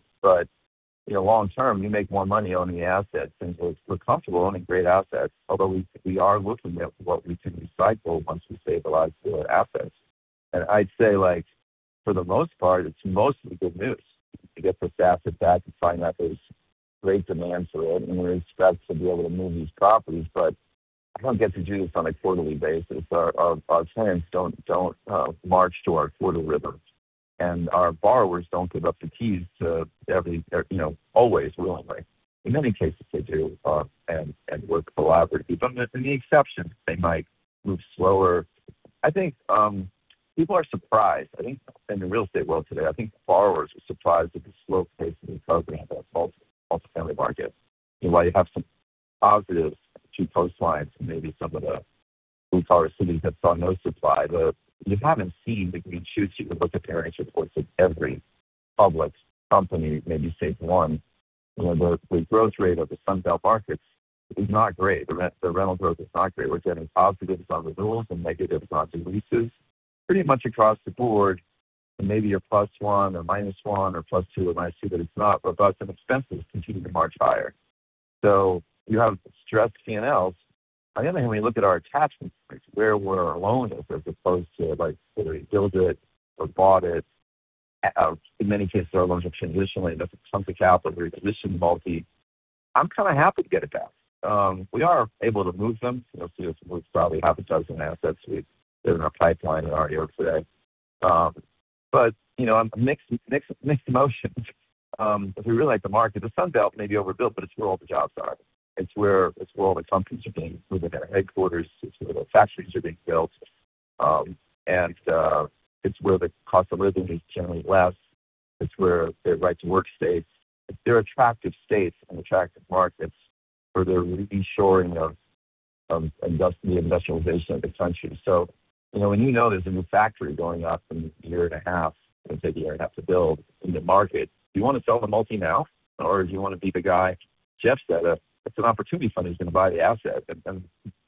You know, long term, you make more money owning assets, and we're comfortable owning great assets, although we are looking at what we can recycle once we stabilize the assets. I'd say, like, for the most part, it's mostly good news to get this asset back and find out there's great demand for it, and we expect to be able to move these properties, but I don't get to do this on a quarterly basis. Our tenants don't march to our quarter rhythm, and our borrowers don't give up the keys to every, you know, always willingly. In many cases, they do and work collaboratively, but in the exception, they might move slower. I think people are surprised. I think in the real estate world today, I think borrowers are surprised at the slow pace of the program, that multi-family market. While you have some positives to post lines and maybe some of the blue collar cities have saw no supply, you haven't seen the green shoots. You can look at the earnings reports of every public company, maybe safe one, where the growth rate of the Sun Belt markets is not great. The rental growth is not great. We're getting positives on renewals and negatives on the leases pretty much across the board, and maybe a +1 or -1 or +2 or -2, but it's not. Costs and expenses continue to march higher. You have stressed P&Ls. The other hand, we look at our attachment points, where we're alone as opposed to, like, build it or bought it. In many cases, our loans are traditionally, the chunk of capital reposition multi. I'm kind of happy to get it back. We are able to move them. We'll see probably half a dozen assets we've been in our pipeline in our year today. But you know, I'm mixed emotions, because we really like the market. The Sun Belt may be overbuilt, but it's where all the jobs are. It's where all the companies are moving their headquarters, it's where the factories are being built. It's where the cost of living is generally less. It's where the right-to-work states. They're attractive states and attractive markets for the reshoring of industrial, the industrialization of the country. You know, when you know there's a new factory going up in a year and a half, it'll take a year and a half to build in the market, do you want to sell the multi-now, or do you want to be the guy? Jeff said, it's an opportunity fund who's going to buy the asset, and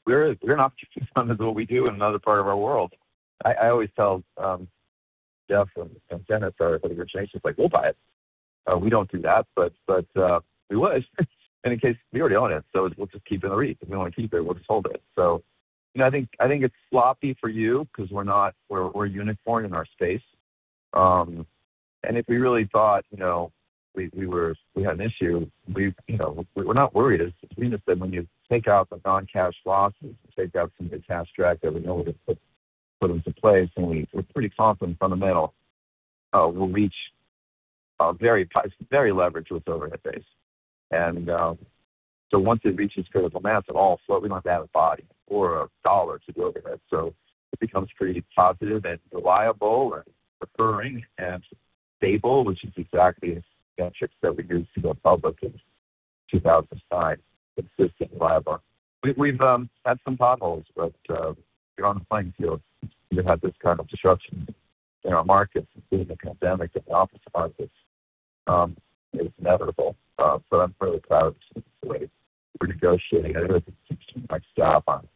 we're an opportunity fund is what we do in another part of our world. I always tell Jeff and Dennis, our other changes, like, we'll buy it. We don't do that, but we would. In any case, we already own it, so we'll just keep it in the REIT, if we want to keep it, we'll just hold it. And I think it's sloppy for you because we're not we're a unicorn in our space. If we really thought, you know, we were, we had an issue, we, you know, we're not worried. We just said, when you take out the non-cash losses and take out some of the cash drag that we know, we just put into place, we're pretty confident, Fundamental, we'll reach a very high, very leveraged with overhead base. Once it reaches critical mass at all, slowly, we don't have a body or a dollar to go overhead, it becomes pretty positive and reliable and referring and stable, which is exactly the metrics that we used to go public in 2005. Consistent, reliable. We've had some potholes, you're on the playing field. You have this kind of disruption in our markets, including the pandemic and the office markets, it's inevitable. I'm really proud of the way we're negotiating it with my staff on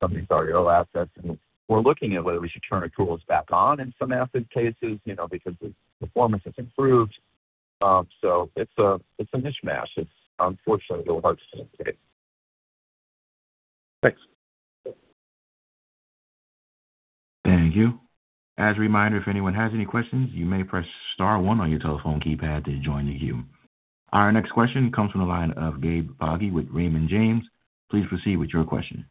some of these REO assets, and we're looking at whether we should turn our tools back on in some asset cases, you know, because the performance has improved. It's a, it's a mishmash. It's unfortunately, a little hard to navigate. Thanks. Thank you. As a reminder, if anyone has any questions, you may press star one on your telephone keypad to join the queue. Our next question comes from the line of Gabe Poggi with Raymond James. Please proceed with your question.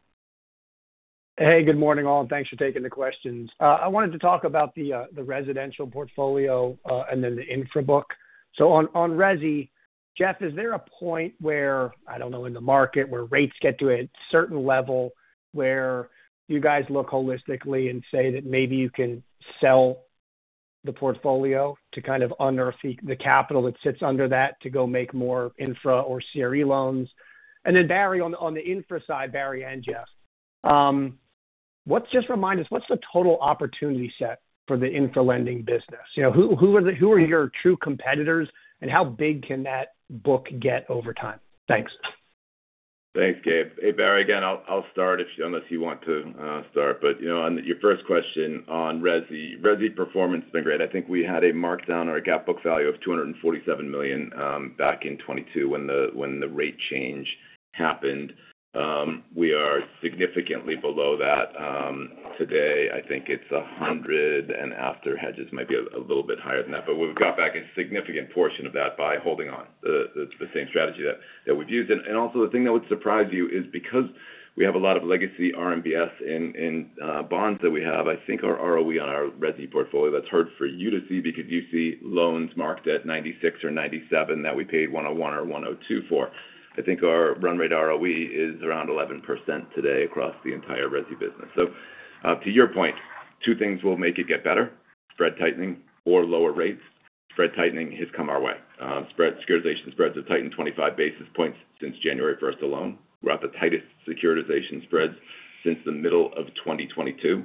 Good morning, all, and thanks for taking the questions. I wanted to talk about the residential portfolio, the infra book. On resi, Jeff, is there a point where, I don't know, in the market where rates get to a certain level, where you guys look holistically and say that maybe you can sell the portfolio to kind of unearth the capital that sits under that to go make more infra or CRE loans? Barry, on the infra side, Barry and Jeff, Just remind us, what's the total opportunity set for the infra-lending business? You know, who are your true competitors, and how big can that book get over time? Thanks. Thanks, Gabe. Hey, Barry, again, I'll start if, unless you want to start. You know, on your first question on resi performance has been great. I think we had a markdown or a GAAP book value of $247 million back in 2022 when the rate change happened. We are significantly below that. Today, I think it's $100, and after hedges, might be a little bit higher than that. We've got back a significant portion of that by holding on. The same strategy that we've used. Also, the thing that would surprise you is because we have a lot of legacy RMBS in bonds that we have, I think our ROE on our resi portfolio, that's hard for you to see because you see loans marked at 96 or 97 that we paid 101 or 102 for. I think our run rate ROE is around 11% today across the entire resi business. To your point, two things will make it get better: spread tightening or lower rates. Spread tightening has come our way. Securitization spreads have tightened 25 basis points since January 1st alone. We're at the tightest securitization spreads since the middle of 2022.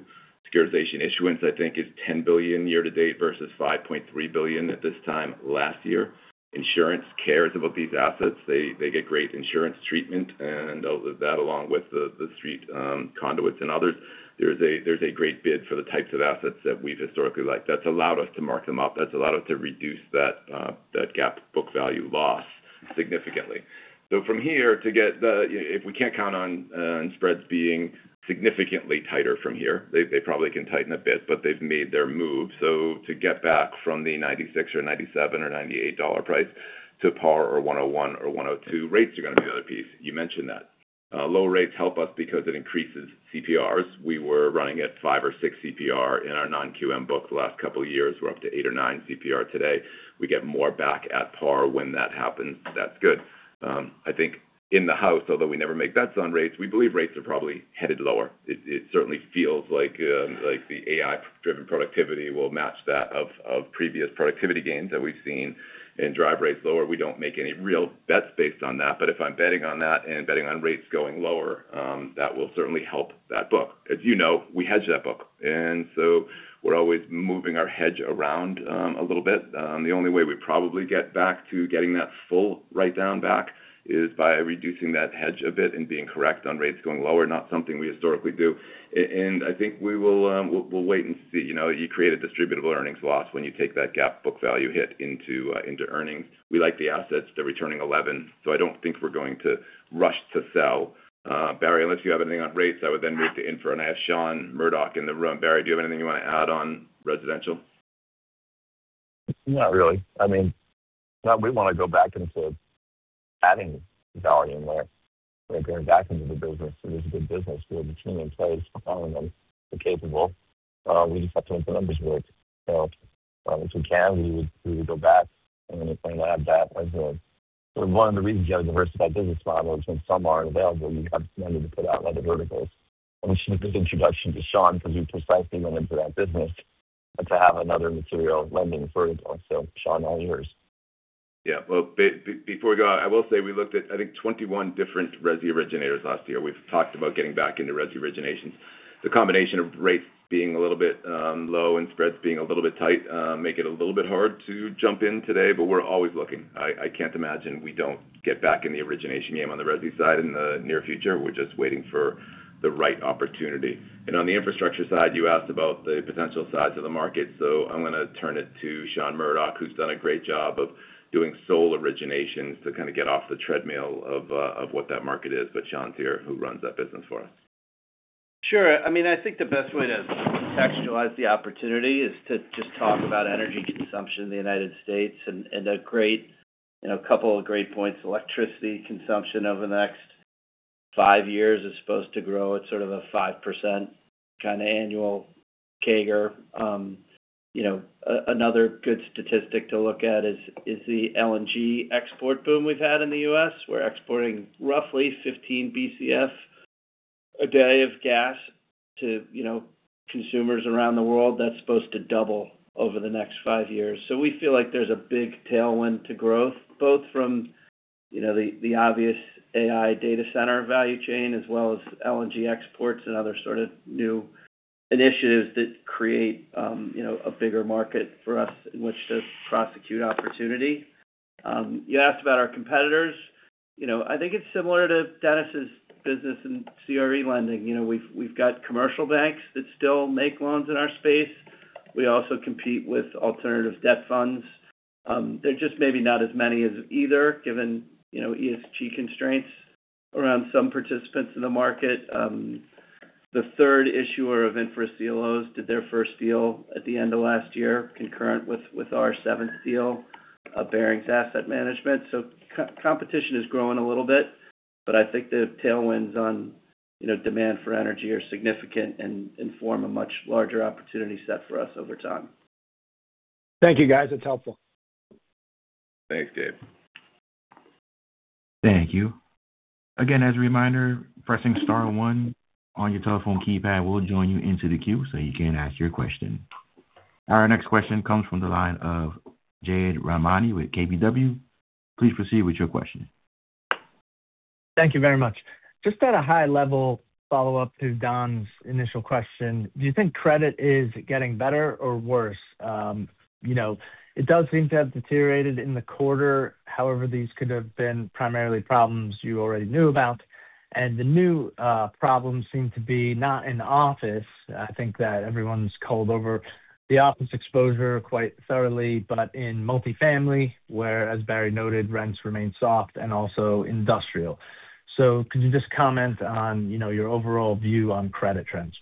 Securitization issuance, I think, is $10 billion year to date versus $5.3 billion at this time last year. Insurance cares about these assets. They get great insurance treatment. That along with the street conduits and others, there's a great bid for the types of assets that we've historically liked. That's allowed us to mark them up. That's allowed us to reduce that GAAP book value loss significantly. From here, if we can't count on spreads being significantly tighter from here, they probably can tighten a bit, but they've made their move. To get back from the $96 or $97 or $98 price to par or 101 or 102, rates are going to be the other piece. You mentioned that. Low rates help us because it increases CPRs. We were running at 5% or 6% CPR in our non-QM book. The last couple of years, we're up to 8% or 9% CPR today. We get more back at par when that happens. That's good. I think in the house, although we never make bets on rates, we believe rates are probably headed lower. It certainly feels like the AI-driven productivity will match that of previous productivity gains that we've seen and drive rates lower. We don't make any real bets based on that, but if I'm betting on that and betting on rates going lower, that will certainly help that book. As you know, we hedge that book, and so we're always moving our hedge around a little bit. The only way we probably get back to getting that full write-down back is by reducing that hedge a bit and being correct on rates going lower, not something we historically do. I think we will, we'll wait and see. You know, you create a distributable earnings loss when you take that GAAP book value hit into earnings. We like the assets, they're returning 11. I don't think we're going to rush to sell. Barry, unless you have anything on rates, I would then move to infra. I have Sean Murdock in the room. Barry, do you have anything you want to add on residential? Not really. I mean, we want to go back into adding volume where we're going back into the business. There's a good business where the team in place performing and they're capable, we just have to make the numbers work. If we can, we would go back and add that. One of the reasons you have a diversified business model is when some are available, you have somebody to put out other verticals. And we should give introduction to Sean, because we precisely went into that business to have another material lending vertical. Sean, all yours. Before we go out, I will say we looked at, I think, 21 different resi originators last year. We've talked about getting back into resi origination. The combination of rates being a little bit low and spreads being a little bit tight make it a little bit hard to jump in today, we're always looking. I can't imagine we don't get back in the origination game on the resi side in the near future. We're just waiting for the right opportunity. On the infrastructure side, you asked about the potential size of the market. I'm gonna turn it to Sean Murdock, who's done a great job of doing sole originations to kind of get off the treadmill of what that market is. Sean's here, who runs that business for us. Sure. I mean, I think the best way to contextualize the opportunity is to just talk about energy consumption in the United States and a great, you know, a couple of great points. Electricity consumption over the next five years is supposed to grow at sort of a 5% kind of annual CAGR. You know, another good statistic to look at is the LNG export boom we've had in the U.S. We're exporting roughly 15 BCF a day of gas to, you know, consumers around the world. That's supposed to double over the next five years. We feel like there's a big tailwind to growth, both from, you know, the obvious AI data center value chain, as well as LNG exports and other sort of new initiatives that create, you know, a bigger market for us in which to prosecute opportunity. You asked about our competitors. I think it's similar to Dennis' business in CRE lending. We've got commercial banks that still make loans in our space. We also compete with alternative debt funds. They're just maybe not as many as either, given ESG constraints around some participants in the market. The third issuer of infra CLOs did their first deal at the end of last year, concurrent with our seventh deal of Barings Asset Management. Co-competition is growing a little bit, but I think the tailwinds on demand for energy are significant and form a much larger opportunity set for us over time. Thank you, guys. It's helpful. Thanks, Gabe. Thank you. Again, as a reminder, pressing star one on your telephone keypad will join you into the queue so you can ask your question. Our next question comes from the line of Jade Rahmani with KBW. Please proceed with your question. Thank you very much. Just at a high level, follow-up to Don's initial question, do you think credit is getting better or worse? You know, it does seem to have deteriorated in the quarter. However, these could have been primarily problems you already knew about, and the new, problems seem to be not in office. I think that everyone's culled over the office exposure quite thoroughly, but in multifamily, where, as Barry noted, rents remain soft and also industrial. Could you just comment on, you know, your overall view on credit trends?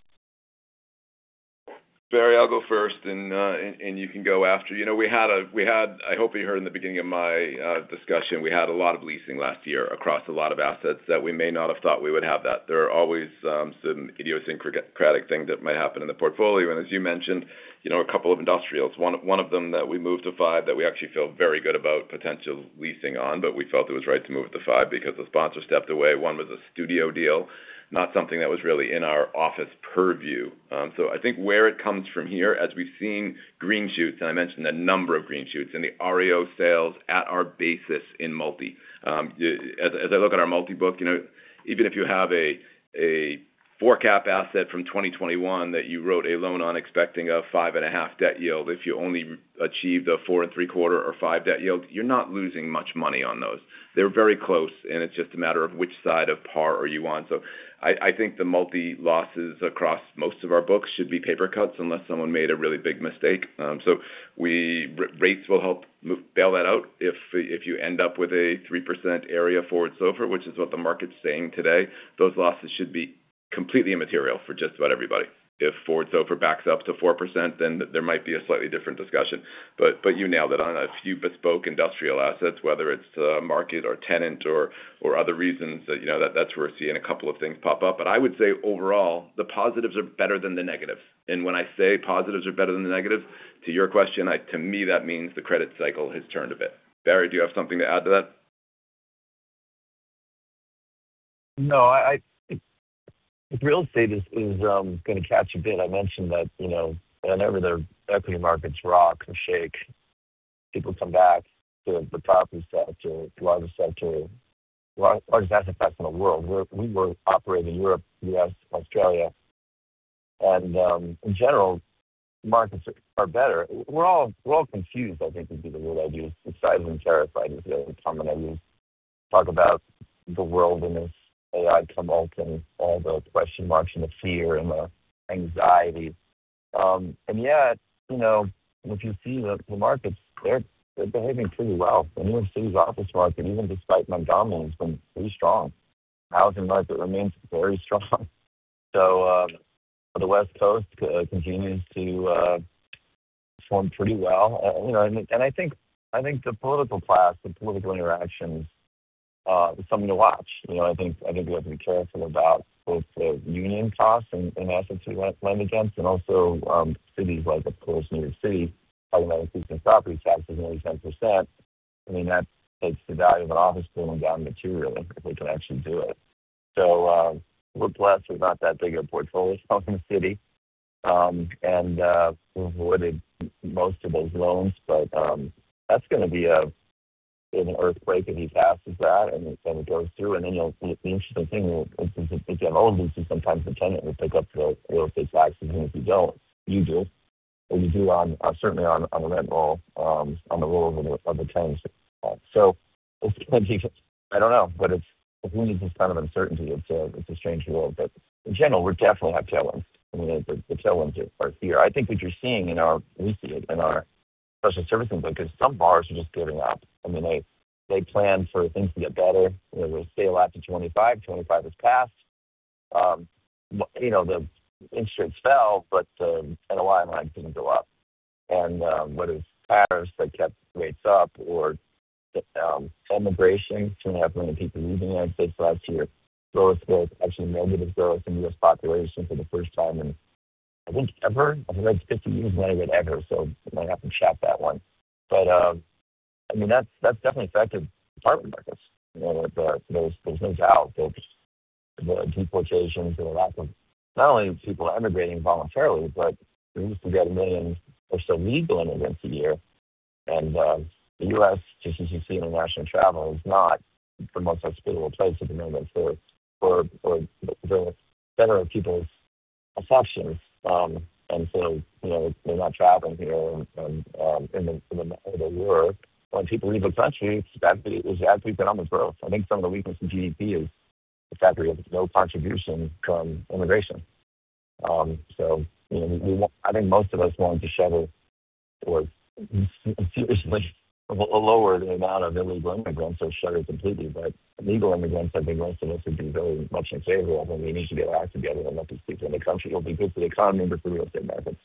Barry, I'll go first, and you can go after. You know, I hope you heard in the beginning of my discussion, we had a lot of leasing last year across a lot of assets that we may not have thought we would have that. There are always some idiosyncratic things that might happen in the portfolio. As you mentioned, you know, a couple of industrials, one of them that we moved to five, that we actually feel very good about potential leasing on, but we felt it was right to move it to five because the sponsor stepped away. One was a studio deal, not something that was really in our office purview. I think where it comes from here, as we've seen green shoots, and I mentioned a number of green shoots in the REO sales at our basis in multi. As I look at our multi-book, you know, even if you have a four cap asset from 2021 that you wrote a loan on, expecting a 5.5 debt yield, if you only achieved a 4.75 or 5 debt yield, you're not losing much money on those. They're very close, and it's just a matter of which side of par are you on. I think the multi losses across most of our books should be paper cuts unless someone made a really big mistake. Rates will help bail that out. If you end up with a 3% area forward SOFR, which is what the market's saying today, those losses should be completely immaterial for just about everybody. If forward SOFR backs up to 4%, then there might be a slightly different discussion. You nailed it. On a few bespoke industrial assets, whether it's the market or tenant or other reasons, you know, that's where we're seeing a couple of things pop up. I would say overall, the positives are better than the negatives. When I say positives are better than the negatives, to your question, to me, that means the credit cycle has turned a bit. Barry, do you have something to add to that? No, I Real estate is going to catch a bit. I mentioned that, you know, whenever the equity markets rock or shake, people come back to the property sector, the larger sector, large asset class in the world. We were operating in Europe, U.S., Australia, and in general, markets are better. We're all confused, I think, would be the word I'd use, besides terrified, is the other comment I'd use. Talk about the world in this AI tumult and all the question marks and the fear and the anxiety. Yet, you know, if you see the markets, they're behaving pretty well. Anyone sees office market, even despite Montgomery, has been pretty strong. Housing market remains very strong. The West Coast continues to form pretty well. You know, I think the political class, the political interactions. It's something to watch. You know, I think we have to be careful about both the union costs and assets we lent, lend against, and also cities like of course, New York City, talking about increasing property taxes nearly 10%. I mean, that takes the value of an office building down materially if we can actually do it. We're blessed with not that big a portfolio in the city, and we've avoided most of those loans. That's going to be an earthquake if he passes that and it kind of goes through. You know, the interesting thing is, if you have old leases, sometimes the tenant will pick up the real estate taxes, and if you don't, you do, or you do on, certainly on the rent roll, on the roll of the tenants. I don't know, but it's we need this kind of uncertainty. It's a strange world, but in general, we're definitely have tailwinds. I mean, the tailwinds are here. I think what you're seeing we see it in our special services, because some bars are just giving up. I mean, they plan for things to get better. You know, we stay alive to 2025 has passed. You know, the insurance fell, but, and the wine lines didn't go up. Whether it's Paris that kept rates up or immigration, too, many people leaving the United States last year, growth was actually negative growth in U.S. population for the first time in, I think, ever. I read 50 years, maybe ever. I might have to check that one. I mean, that's definitely affected apartment markets. You know, there's no doubt there's deportations or a lack of not only people emigrating voluntarily, but we used to get a million or so legal immigrants a year. The U.S., just you see, international travel is not the most hospitable place at the moment for the center of people's affections. You know, they're not traveling here and in the way they were. When people leave the country, that is actually economic growth. I think some of the weakness in GDP is the fact that we have no contribution from immigration. You know, I think most of us want to shutter or seriously lower the amount of illegal immigrants or shutter completely. Legal immigrants, I think most of us would be very much in favor of, and we need to get our act together and let these people in the country. It'll be good for the economy, but for real estate markets.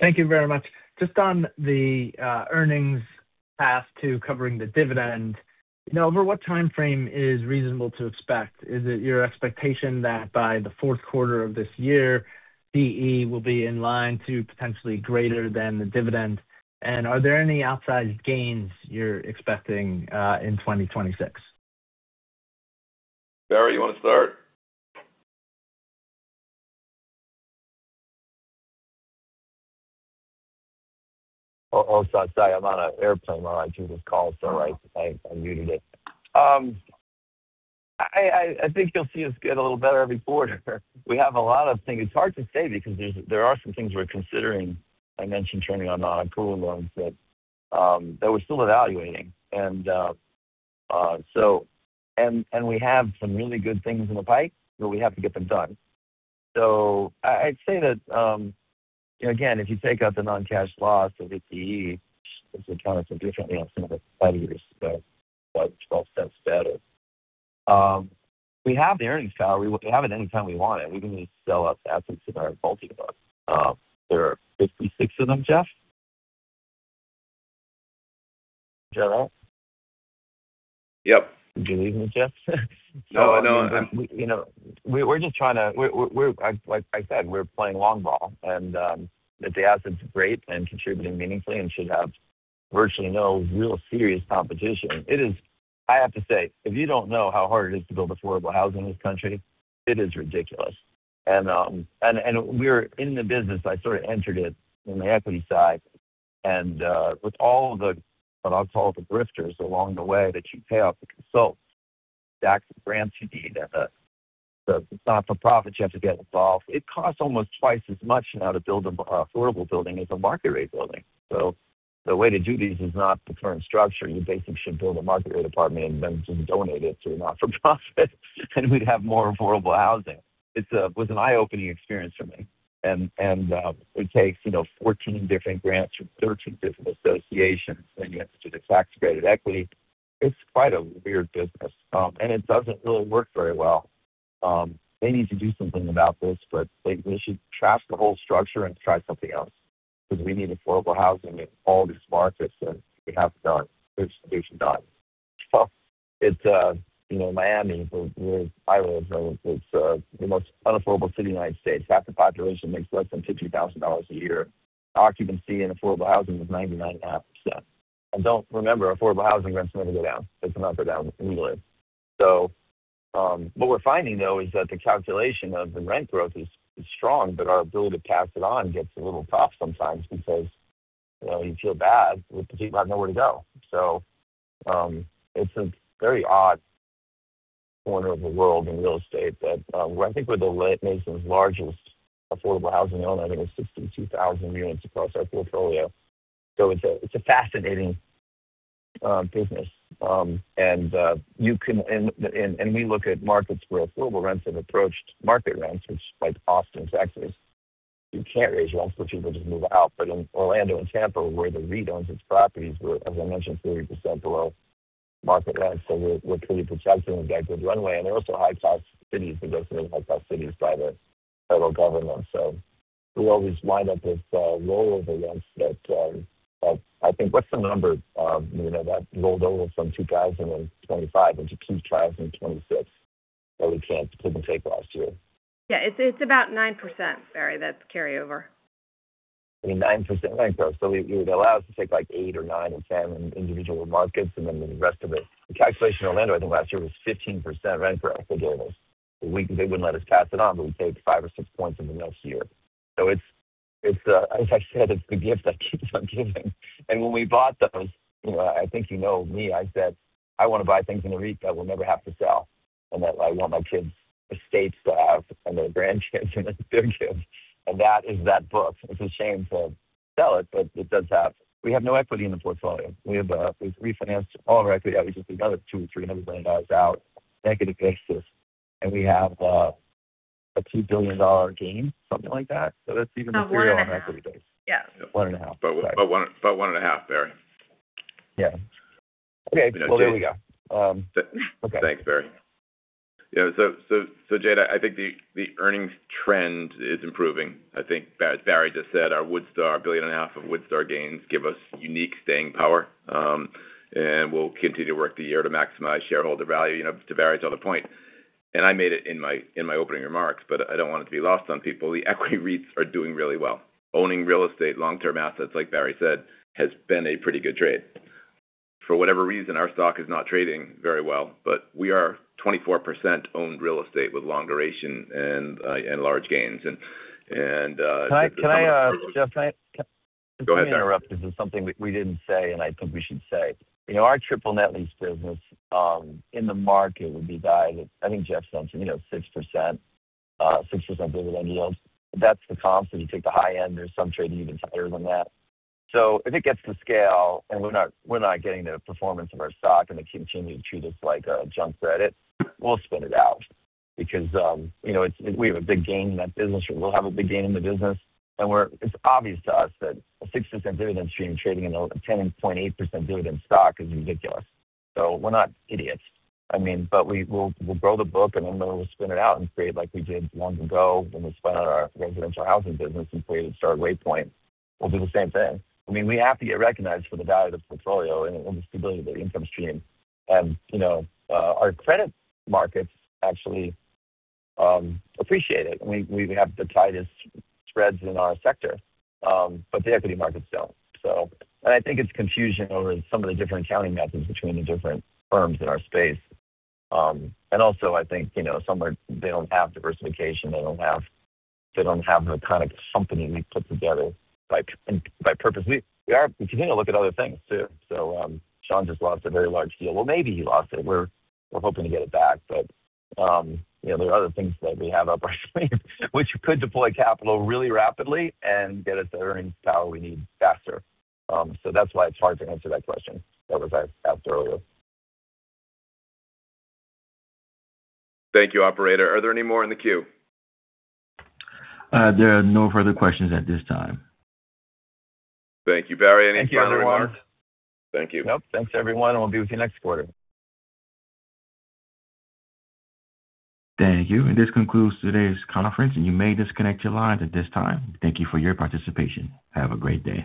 Thank you very much. Just on the earnings path to covering the dividend. Now, over what time frame is reasonable to expect? Is it your expectation that by the fourth quarter of this year, DE will be in line to potentially greater than the dividend? Are there any outsized gains you're expecting in 2026? Barry, you want to start? Oh, sorry, I'm on an airplane while I took this call, so I muted it. I think you'll see us get a little better every quarter. We have a lot of things. It's hard to say because there are some things we're considering. I mentioned turning on non-accrual loans, that we're still evaluating. We have some really good things in the pipe, we have to get them done. I'd say that again, if you take out the non-cash loss of ATE, which we counted some differently on some of the five years, $0.12 better. We have the earnings power. We have it anytime we want it. We can sell out the assets of our multi-unit. There are 56 of them, Jeff? In general. Yep. Do you believe me, Jeff? No, I know. You know, we're, like I said, we're playing long ball, and the asset's great and contributing meaningfully and should have virtually no real serious competition. It is. I have to say, if you don't know how hard it is to build affordable housing in this country, it is ridiculous. We're in the business. I sort of entered it in the equity side, and with all the, what I'll call the grifters along the way, that you pay off the consult, the grants you need, and the not-for-profit, you have to get involved. It costs almost twice as much now to build an affordable building as a market-rate building. The way to do these is not the current structure. You basically should build a market-rate apartment and then donate it to a not-for-profit, and we'd have more affordable housing. It was an eye-opening experience for me. It takes 14 different grants from 13 different associations, then you have to do tax-credit equity. It's quite a weird business, and it doesn't really work very well. They need to do something about this, but they should trash the whole structure and try something else, because we need affordable housing in all these markets, and we have it done. It's getting done. It's, you know, Miami, where I live, is the most unaffordable city in the United States. Half the population makes less than $50,000 a year. Occupancy and affordable housing is 99.5%. Remember, affordable housing rents never go down. They can not go down anyway. What we're finding, though, is that the calculation of the rent growth is strong, but our ability to pass it on gets a little tough sometimes because, you know, you feel bad with the people have nowhere to go. It's a very odd corner of the world in real estate that I think we're the nation's largest affordable housing owner. I think it's 62,000 units across our portfolio. It's a fascinating business. We look at markets where affordable rents have approached market rents, which, like Austin, Texas, you can't raise rents for people to move out. In Orlando and Tampa, where the REIT owns its properties were, as I mentioned, 30% below market rents. We're pretty protected and we've got good runway. They're also high-cost cities, designated high-cost cities by the federal government. We always wind up with, rollover rents that, I think, what's the number, you know, that rolled over from 2025 into 2026, that we can't give and take last year? It's about 9%, Barry. That's carryover. I mean, 9% rent growth. It would allow us to take, like, eight or nine or 10 in individual markets, and then the rest of it. The calculation in Orlando, I think last year, was 15% rent growth for giveaways. They wouldn't let us pass it on, we paid five or six points in the next year. It's, as I said, it's the gift that keeps on giving. When we bought those, you know, I think you know me, I said, "I want to buy things in a REIT that we'll never have to sell, and that I want my kids' estates to have, and their grandkids, and their kids." That is that book. It's a shame to sell it. We have no equity in the portfolio. We have, we've refinanced all of our equity out, which is another $200 million-$300 million out, negative basis, and we have, a $2 billion gain, something like that. That's even- No, one and a half. Yeah, 1.5. About one and a half, Barry. Yeah. Okay, well, there we go. Okay. Thanks, Barry. Jade, I think the earnings trend is improving. I think Barry just said our Woodstar, billion and a half of Woodstar gains give us unique staying power. We'll continue to work the year to maximize shareholder value, you know, to Barry's other point. I made it in my opening remarks, but I don't want it to be lost on people. The equity REITs are doing really well. Owning real estate, long-term assets, like Barry said, has been a pretty good trade. For whatever reason, our stock is not trading very well, but we are 24% owned real estate with long duration and large gains. Can I, Jeff? Go ahead, Barry. Interrupt, this is something that we didn't say, and I think we should say. You know, our triple net lease business, in the market, would be valued at, I think, Jeff said, you know, 6%, 6% dividend yields. That's the comp. You take the high end, there's some trading even higher than that. If it gets to scale, and we're not getting the performance of our stock, and they continue to treat us like a junk credit, we'll spin it out. Because, you know, we have a big gain in that business, or we'll have a big gain in the business. It's obvious to us that a 6% dividend stream trading in a 10.8% dividend stock is ridiculous. We're not idiots. I mean, but we'll grow the book, and then we'll spin it out and create, like we did long ago, when we spun out our residential housing business and created Star Waypoint. We'll do the same thing. I mean, we have to get recognized for the value of the portfolio and the stability of the income stream. You know, our credit markets actually appreciate it. We have the tightest spreads in our sector, but the equity markets don't. So. I think it's confusion over some of the different accounting methods between the different firms in our space. Also, I think, you know, some are they don't have diversification, they don't have the kind of company we put together by purpose. We continue to look at other things too. Sean just lost a very large deal. Maybe he lost it. We're hoping to get it back, but, you know, there are other things that we have up our sleeve, which could deploy capital really rapidly and get us the earnings power we need faster. That's why it's hard to answer that question that was asked earlier. Thank you, operator. Are there any more in the queue? There are no further questions at this time. Thank you, Barry. Any final remarks? Thank you, everyone. Thank you. Nope. Thanks, everyone. We'll be with you next quarter. Thank you. This concludes today's conference, and you may disconnect your lines at this time. Thank you for your participation. Have a great day.